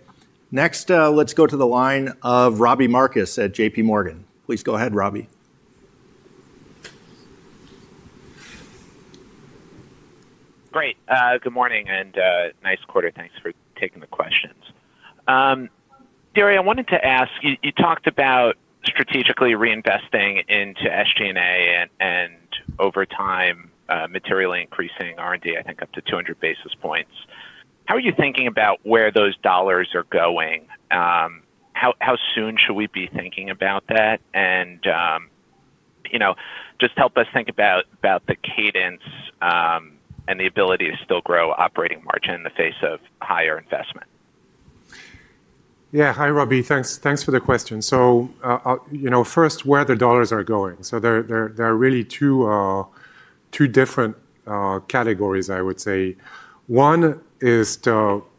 Next, let us go to the line of Robbie Marcus at JPMorgan. Please go ahead, Robbie. Great. Good morning and nice quarter. Thanks for taking the questions. Thierry, I wanted to ask, you talked about strategically reinvesting into SG&A and over time materially increasing R&D, I think up to 200 basis points. How are you thinking about where those dollars are going? How soon should we be thinking about that? Just help us think about the cadence and the ability to still grow operating margin in the face of higher investment. Yeah. Hi, Robbie. Thanks for the question. First, where the dollars are going. There are really two different categories, I would say. One is,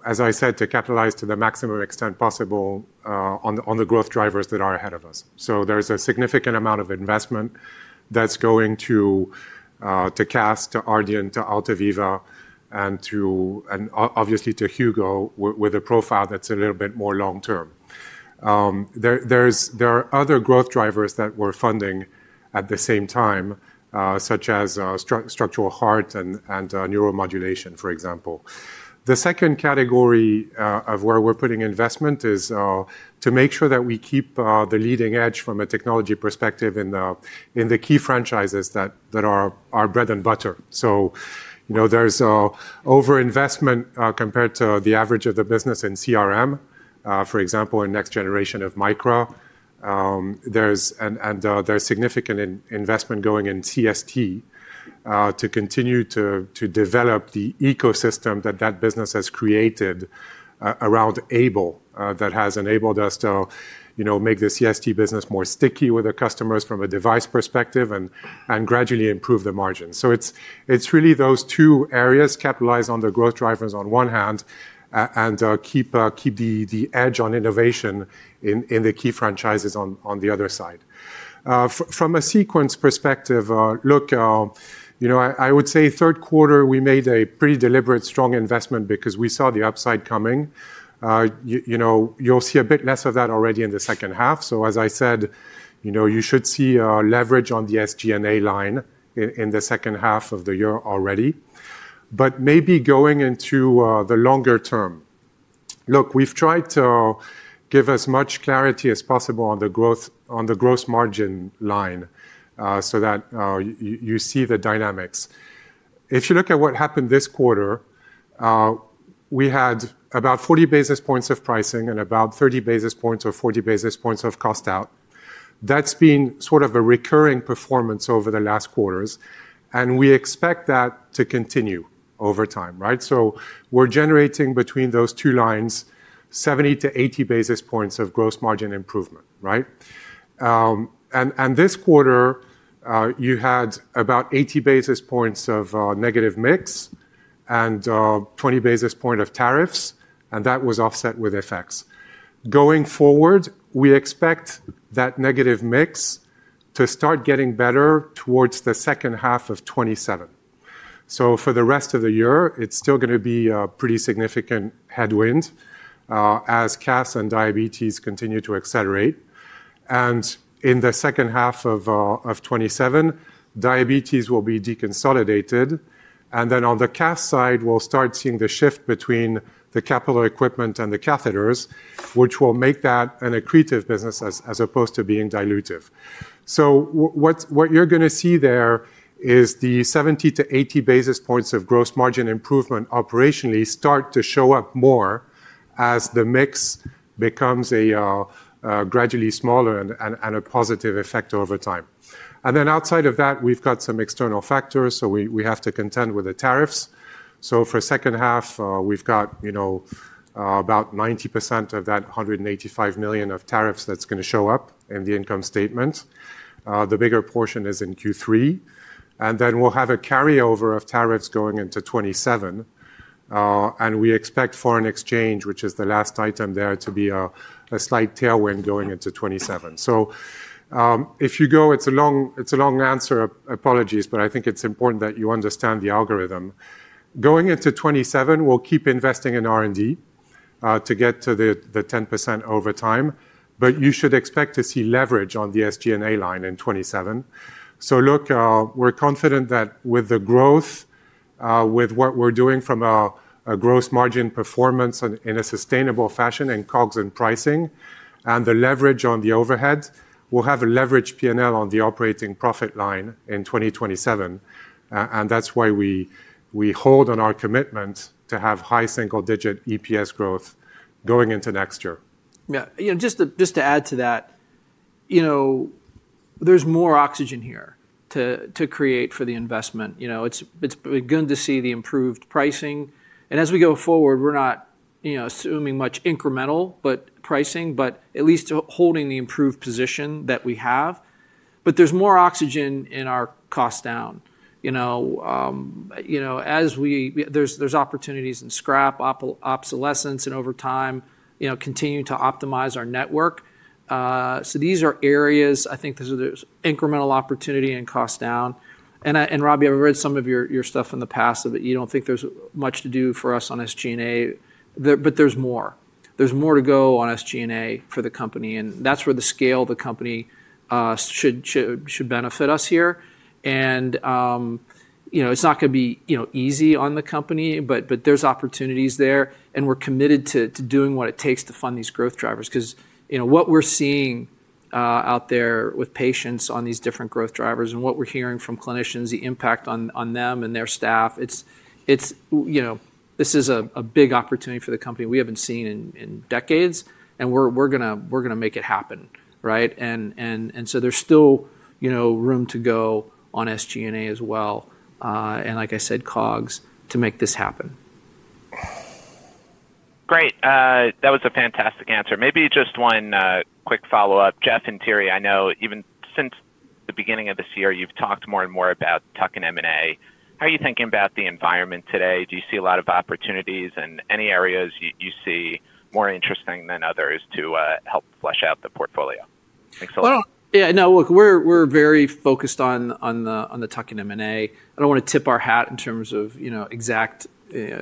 as I said, to capitalize to the maximum extent possible on the growth drivers that are ahead of us. There is a significant amount of investment that is going to CAST, to Ardian, to AltaViva, and obviously to Hugo with a profile that is a little bit more long-term. There are other growth drivers that we are funding at the same time, such as structural heart and neuromodulation, for example. The second category of where we are putting investment is to make sure that we keep the leading edge from a technology perspective in the key franchises that are our bread and butter. There's over-investment compared to the average of the business in CRM, for example, in next generation of Micra. There's significant investment going in CST to continue to develop the ecosystem that that business has created around AiBLE that has enabled us to make the CST business more sticky with the customers from a device perspective and gradually improve the margin. It's really those two areas, capitalize on the growth drivers on one hand and keep the edge on innovation in the key franchises on the other side. From a sequence perspective, look, I would say third quarter, we made a pretty deliberate strong investment because we saw the upside coming. You'll see a bit less of that already in the second half. As I said, you should see leverage on the SG&A line in the second half of the year already. Maybe going into the longer term, look, we've tried to give as much clarity as possible on the gross margin line so that you see the dynamics. If you look at what happened this quarter, we had about 40 basis points of pricing and about 30 basis points or 40 basis points of cost out. That's been sort of a recurring performance over the last quarters. We expect that to continue over time, right? We're generating between those two lines, 70-80 basis points of gross margin improvement, right? This quarter, you had about 80 basis points of negative mix and 20 basis points of tariffs, and that was offset with FX. Going forward, we expect that negative mix to start getting better towards the second half of 2027. For the rest of the year, it's still going to be a pretty significant headwind as CAST and diabetes continue to accelerate. In the second half of 2027, diabetes will be deconsolidated. On the CAST side, we'll start seeing the shift between the capital equipment and the catheters, which will make that an accretive business as opposed to being dilutive. What you're going to see there is the 70-80 basis points of gross margin improvement operationally start to show up more as the mix becomes gradually smaller and a positive effect over time. Outside of that, we've got some external factors, so we have to contend with the tariffs. For the second half, we've got about 90% of that $185 million of tariffs that's going to show up in the income statement. The bigger portion is in Q3. We'll have a carryover of tariffs going into 2027. We expect foreign exchange, which is the last item there, to be a slight tailwind going into 2027. It is a long answer, apologies, but I think it is important that you understand the algorithm. Going into 2027, we'll keep investing in R&D to get to the 10% over time. You should expect to see leverage on the SG&A line in 2027. Look, we're confident that with the growth, with what we're doing from a gross margin performance in a sustainable fashion and COGS and pricing, and the leverage on the overhead, we'll have a leveraged P&L on the operating profit line in 2027. That is why we hold on our commitment to have high single-digit EPS growth going into next year. Yeah. Just to add to that, there is more oxygen here to create for the investment. It has been good to see the improved pricing. As we go forward, we are not assuming much incremental pricing, but at least holding the improved position that we have. There is more oxygen in our cost down, as there are opportunities in scrap, obsolescence, and over time, continue to optimize our network. These are areas I think there is incremental opportunity in cost down. Robbie, I have read some of your stuff in the past, but you do not think there is much to do for us on SG&A, but there is more. There is more to go on SG&A for the company. That is where the scale of the company should benefit us here. It is not going to be easy on the company, but there are opportunities there. We're committed to doing what it takes to fund these growth drivers because what we're seeing out there with patients on these different growth drivers and what we're hearing from clinicians, the impact on them and their staff, this is a big opportunity for the company we haven't seen in decades. We're going to make it happen, right? There's still room to go on SG&A as well. Like I said, COGS to make this happen. Great. That was a fantastic answer. Maybe just one quick follow-up. Jeff and Thierry, I know even since the beginning of this year, you've talked more and more about Tuck and M&A. How are you thinking about the environment today? Do you see a lot of opportunities and any areas you see more interesting than others to help flesh out the portfolio? Thanks a lot. Yeah, no, look, we're very focused on the Tuck and M&A. I don't want to tip our hat in terms of exact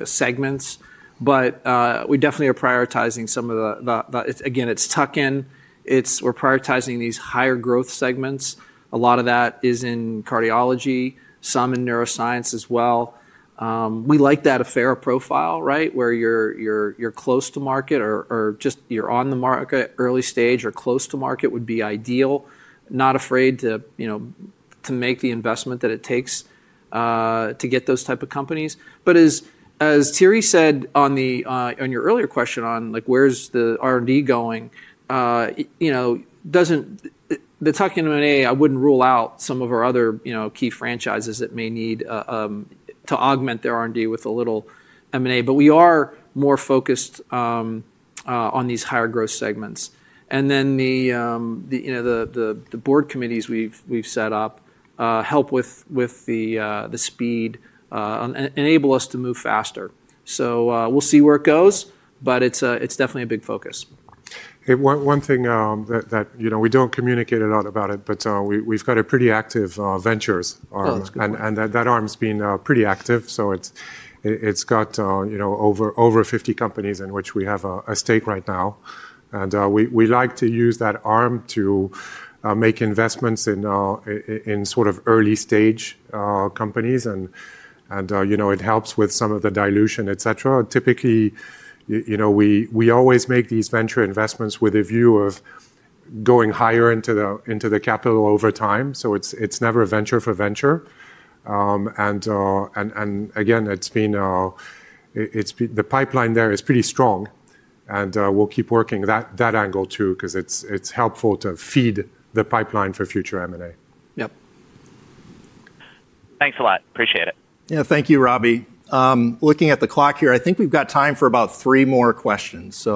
segments, but we definitely are prioritizing some of the, again, it's Tuck and we're prioritizing these higher growth segments. A lot of that is in cardiology, some in neuroscience as well. We like that Affera profile, right, where you're close to market or just you're on the market, early stage or close to market would be ideal, not afraid to make the investment that it takes to get those type of companies. As Thierry said on your earlier question on where's the R&D going, the Tuck and M&A, I wouldn't rule out some of our other key franchises that may need to augment their R&D with a little M&A, but we are more focused on these higher growth segments. The board committees we've set up help with the speed, enable us to move faster. We'll see where it goes, but it's definitely a big focus. One thing that we don't communicate a lot about, but we've got a pretty active ventures. That arm's been pretty active. It's got over 50 companies in which we have a stake right now. We like to use that arm to make investments in sort of early stage companies. It helps with some of the dilution, etc. Typically, we always make these venture investments with a view of going higher into the capital over time. It's never venture for venture. The pipeline there is pretty strong. We'll keep working that angle too because it's helpful to feed the pipeline for future M&A. Yep. Thanks a lot. Appreciate it. Yeah. Thank you, Robbie. Looking at the clock here, I think we've got time for about three more questions.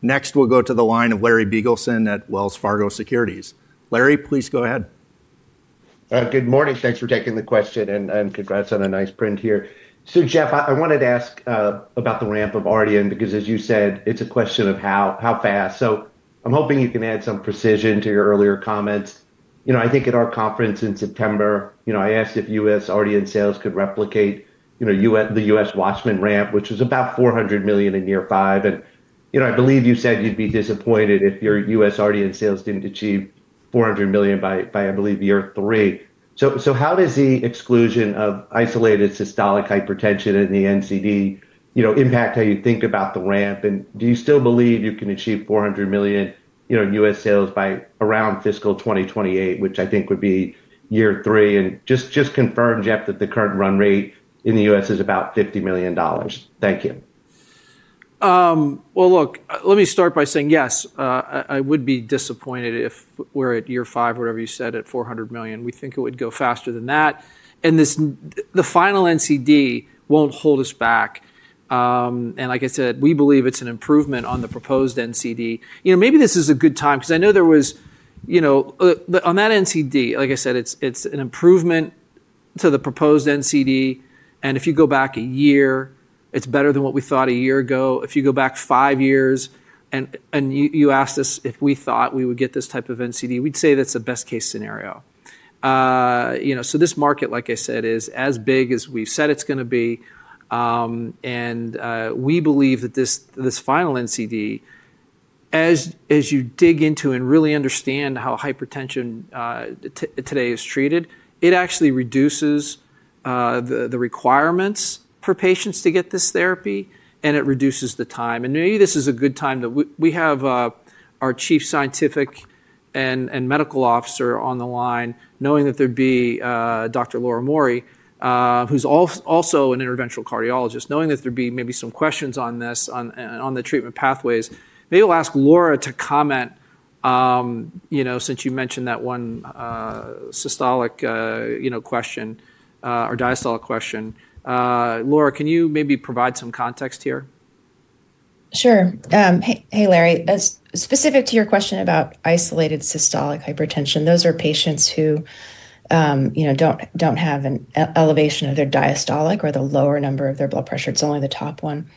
Next, we'll go to the line of Larry Biegelsen at Wells Fargo Securities. Larry, please go ahead. Good morning. Thanks for taking the question and congrats on a nice print here. Jeff, I wanted to ask about the ramp of Ardian because, as you said, it's a question of how fast. I'm hoping you can add some precision to your earlier comments. I think at our conference in September, I asked if US Ardian sales could replicate the US Watchman ramp, which was about $400 million in year five. I believe you said you'd be disappointed if your US Ardian sales didn't achieve $400 million by, I believe, year three. How does the exclusion of isolated systolic hypertension in the NCD impact how you think about the ramp? Do you still believe you can achieve $400 million US sales by around fiscal 2028, which I think would be year three? Just confirm, Jeff, that the current run rate in the US is about $50 million. Thank you. Let me start by saying yes, I would be disappointed if we are at year five, whatever you said, at $400 million. We think it would go faster than that. The final NCD will not hold us back. Like I said, we believe it is an improvement on the proposed NCD. Maybe this is a good time because I know there was on that NCD, like I said, it is an improvement to the proposed NCD. If you go back a year, it is better than what we thought a year ago. If you go back five years and you asked us if we thought we would get this type of NCD, we'd say that's the best-case scenario. This market, like I said, is as big as we've said it's going to be. We believe that this final NCD, as you dig into and really understand how hypertension today is treated, actually reduces the requirements for patients to get this therapy, and it reduces the time. Maybe this is a good time that we have our Chief Scientific and Medical Officer on the line, knowing that there'd be Dr. Laura Mauri, who's also an interventional cardiologist, knowing that there'd be maybe some questions on this and on the treatment pathways. Maybe we'll ask Laura to comment since you mentioned that one systolic question or diastolic question. Laura, can you maybe provide some context here? Sure. Hey, Larry, specific to your question about isolated systolic hypertension, those are patients who do not have an elevation of their diastolic or the lower number of their blood pressure. It is only the top one.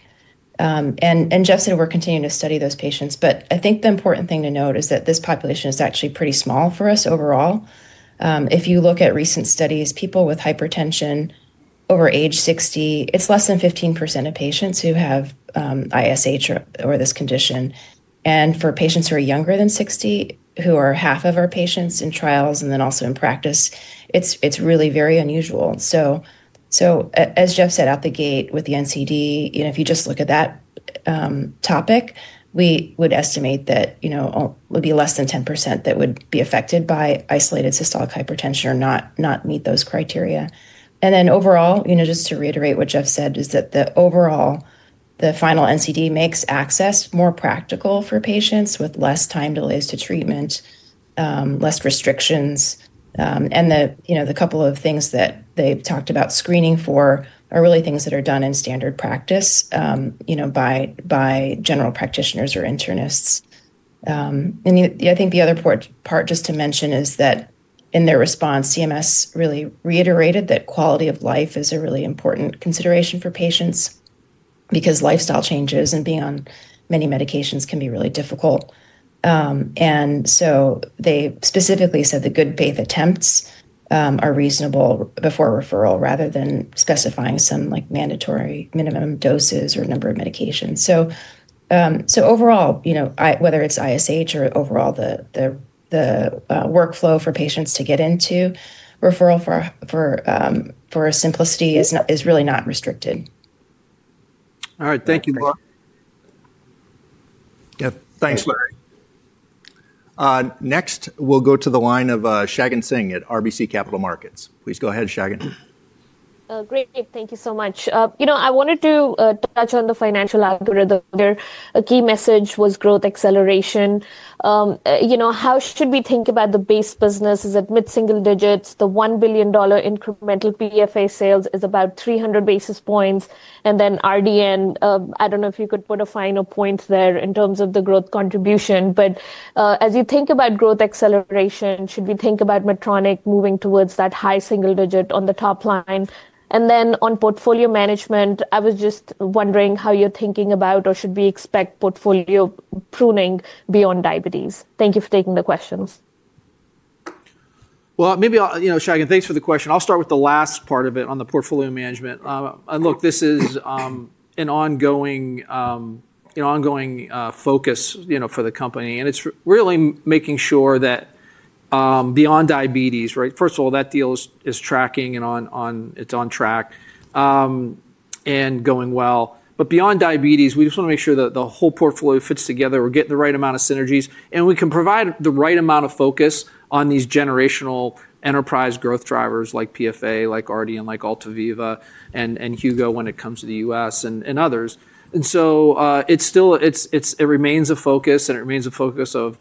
Jeff said we are continuing to study those patients. I think the important thing to note is that this population is actually pretty small for us overall. If you look at recent studies, people with hypertension over age 60, it is less than 15% of patients who have ISH or this condition. For patients who are younger than 60, who are half of our patients in trials and then also in practice, it is really very unusual. As Jeff said out the gate with the NCD, if you just look at that topic, we would estimate that it would be less than 10% that would be affected by isolated systolic hypertension or not meet those criteria. Overall, just to reiterate what Jeff said, the final NCD makes access more practical for patients with less time delays to treatment, less restrictions. The couple of things that they have talked about screening for are really things that are done in standard practice by general practitioners or internists. I think the other part just to mention is that in their response, CMS really reiterated that quality of life is a really important consideration for patients because lifestyle changes and being on many medications can be really difficult. They specifically said the good faith attempts are reasonable before referral rather than specifying some mandatory minimum doses or number of medications. Overall, whether it is ISH or overall the workflow for patients to get into referral for Simplicity is really not restricted. All right. Thank you, Laura. Yeah. Thanks, Larry. Next, we will go to the line of Shagun Singh at RBC Capital Markets. Please go ahead, Shagun. Great. Thank you so much. I wanted to touch on the financial algorithm there. A key message was growth acceleration. How should we think about the base business? Is it mid-single digits? The $1 billion incremental PFA sales is about 300 basis points. And then RDN, I do not know if you could put a final point there in terms of the growth contribution. As you think about growth acceleration, should we think about Medtronic moving towards that high single digit on the top line? On portfolio management, I was just wondering how you're thinking about or should we expect portfolio pruning beyond diabetes? Thank you for taking the questions. Shagun, thanks for the question. I'll start with the last part of it on the portfolio management. This is an ongoing focus for the company. It's really making sure that beyond diabetes, right? First of all, that deal is tracking and it's on track and going well. Beyond diabetes, we just want to make sure that the whole portfolio fits together. We're getting the right amount of synergies. We can provide the right amount of focus on these generational enterprise growth drivers like PFA, like RDN, like AltaViva, and Hugo when it comes to the US and others. It remains a focus, and it remains a focus of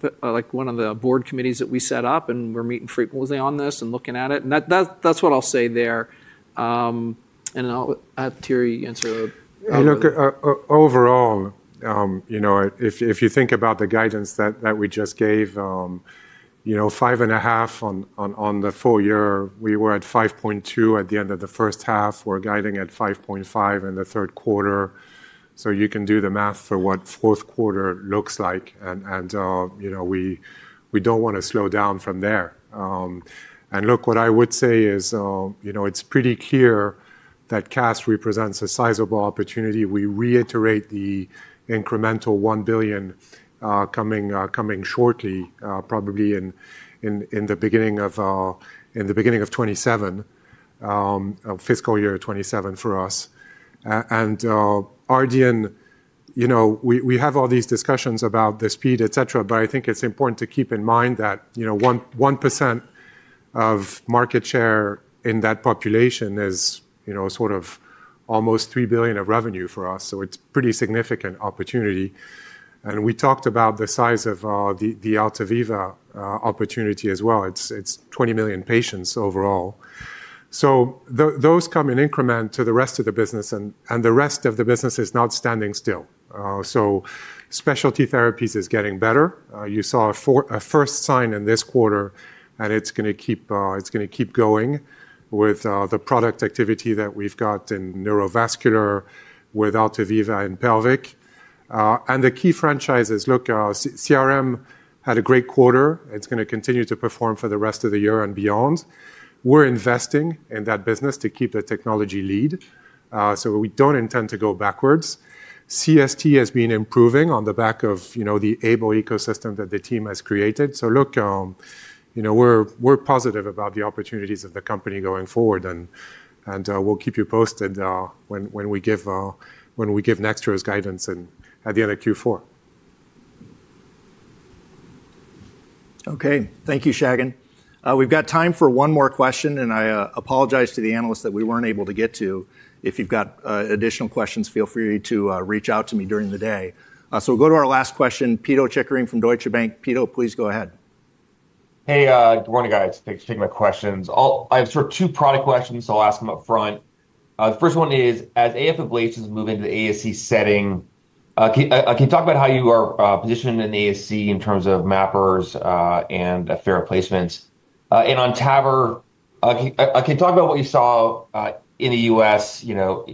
one of the board committees that we set up. We are meeting frequently on this and looking at it. That is what I'll say there. I'll have Terry answer that. Look, overall, if you think about the guidance that we just gave, 5.5% on the full year, we were at 5.2% at the end of the first half. We are guiding at 5.5% in the third quarter. You can do the math for what fourth quarter looks like. We do not want to slow down from there. What I would say is it is pretty clear that CAST represents a sizable opportunity. We reiterate the incremental $1 billion coming shortly, probably in the beginning of 2027, fiscal year 2027 for us. And RDN, we have all these discussions about the speed, etc., but I think it's important to keep in mind that 1% of market share in that population is sort of almost $3 billion of revenue for us. It is a pretty significant opportunity. We talked about the size of the AltaViva opportunity as well. It is 20 million patients overall. Those come in increment to the rest of the business. The rest of the business is not standing still. Specialty therapies is getting better. You saw a first sign in this quarter, and it is going to keep going with the product activity that we've got in neurovascular with AltaViva and Pelvic. The key franchises, look, CRM had a great quarter. It's going to continue to perform for the rest of the year and beyond. We're investing in that business to keep the technology lead. We don't intend to go backwards. CST has been improving on the back of the AiBLE spine surgery ecosystem that the team has created. Look, we're positive about the opportunities of the company going forward. We'll keep you posted when we give next year's guidance and at the end of Q4. Okay. Thank you, Shagun. We've got time for one more question. I apologize to the analysts that we weren't able to get to. If you've got additional questions, feel free to reach out to me during the day. We'll go to our last question, Pito Chickering from Deutsche Bank. Pito, please go ahead. Hey, good morning, guys. Thanks for taking my questions. I have sort of two product questions. I'll ask them up front. The first one is, as AF ablations move into the ASC setting, can you talk about how you are positioned in the ASC in terms of mappers and fair replacements? On TAVR, can you talk about what you saw in the U.S., Europe,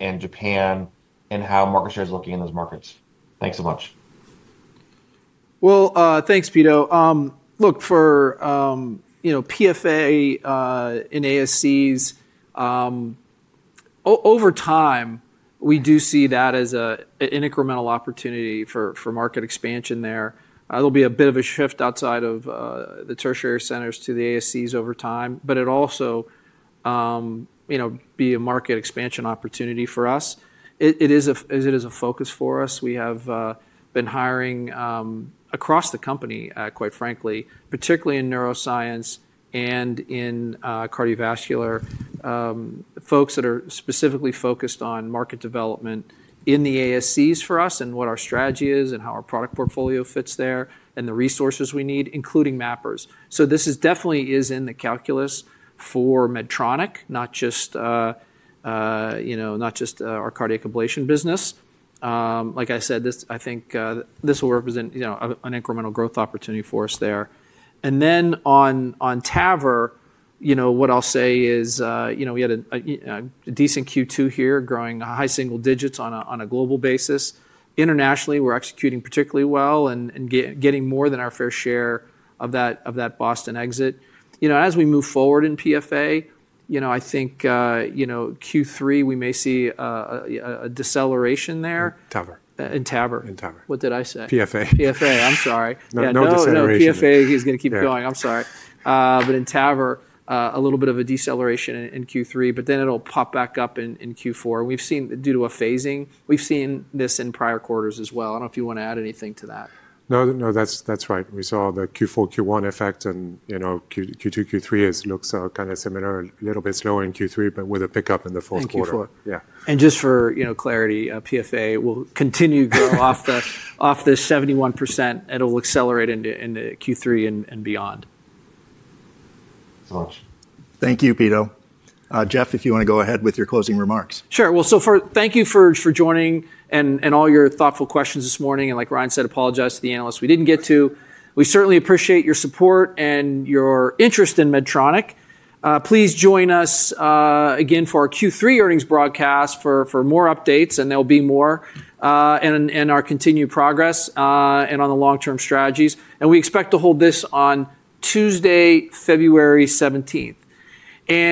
and Japan, and how market share is looking in those markets? Thanks so much. Thanks, Pito. Look, for PFA in ASCs, over time, we do see that as an incremental opportunity for market expansion there. There will be a bit of a shift outside of the tertiary centers to the ASCs over time, but it will also be a market expansion opportunity for us. It is a focus for us. We have been hiring across the company, quite frankly, particularly in neuroscience and in cardiovascular, folks that are specifically focused on market development in the ASCs for us and what our strategy is and how our product portfolio fits there and the resources we need, including mappers. This definitely is in the calculus for Medtronic, not just our cardiac ablation business. Like I said, I think this will represent an incremental growth opportunity for us there. On TAVR, what I'll say is we had a decent Q2 here, growing high single digits on a global basis. Internationally, we're executing particularly well and getting more than our fair share of that Boston exit. As we move forward in PFA, I think Q3, we may see a deceleration there. TAVR. In TAVR. In TAVR. What did I say? PFA. PFA. I'm sorry. No, no, PFA, he's going to keep going. I'm sorry. In TAVR, a little bit of a deceleration in Q3, but then it'll pop back up in Q4. We've seen, due to a phasing, we've seen this in prior quarters as well. I don't know if you want to add anything to that. No, no, that's right. We saw the Q4, Q1 effect, and Q2, Q3 looks kind of similar, a little bit slower in Q3, but with a pickup in the fourth quarter. In Q4. Yeah. Just for clarity, PFA will continue to grow off the 71%. It'll accelerate into Q3 and beyond. Thank you, Pito. Jeff, if you want to go ahead with your closing remarks. Sure. Thank you for joining and all your thoughtful questions this morning. Like Ryan said, apologize to the analysts we didn't get to. We certainly appreciate your support and your interest in Medtronic. Please join us again for our Q3 earnings broadcast for more updates, and there will be more, and our continued progress, and on the long-term strategies. We expect to hold this on Tuesday, February 17.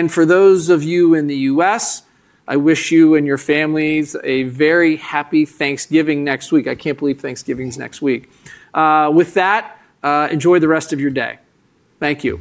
For those of you in the U.S., I wish you and your families a very happy Thanksgiving next week. I cannot believe Thanksgiving is next week. With that, enjoy the rest of your day. Thank you.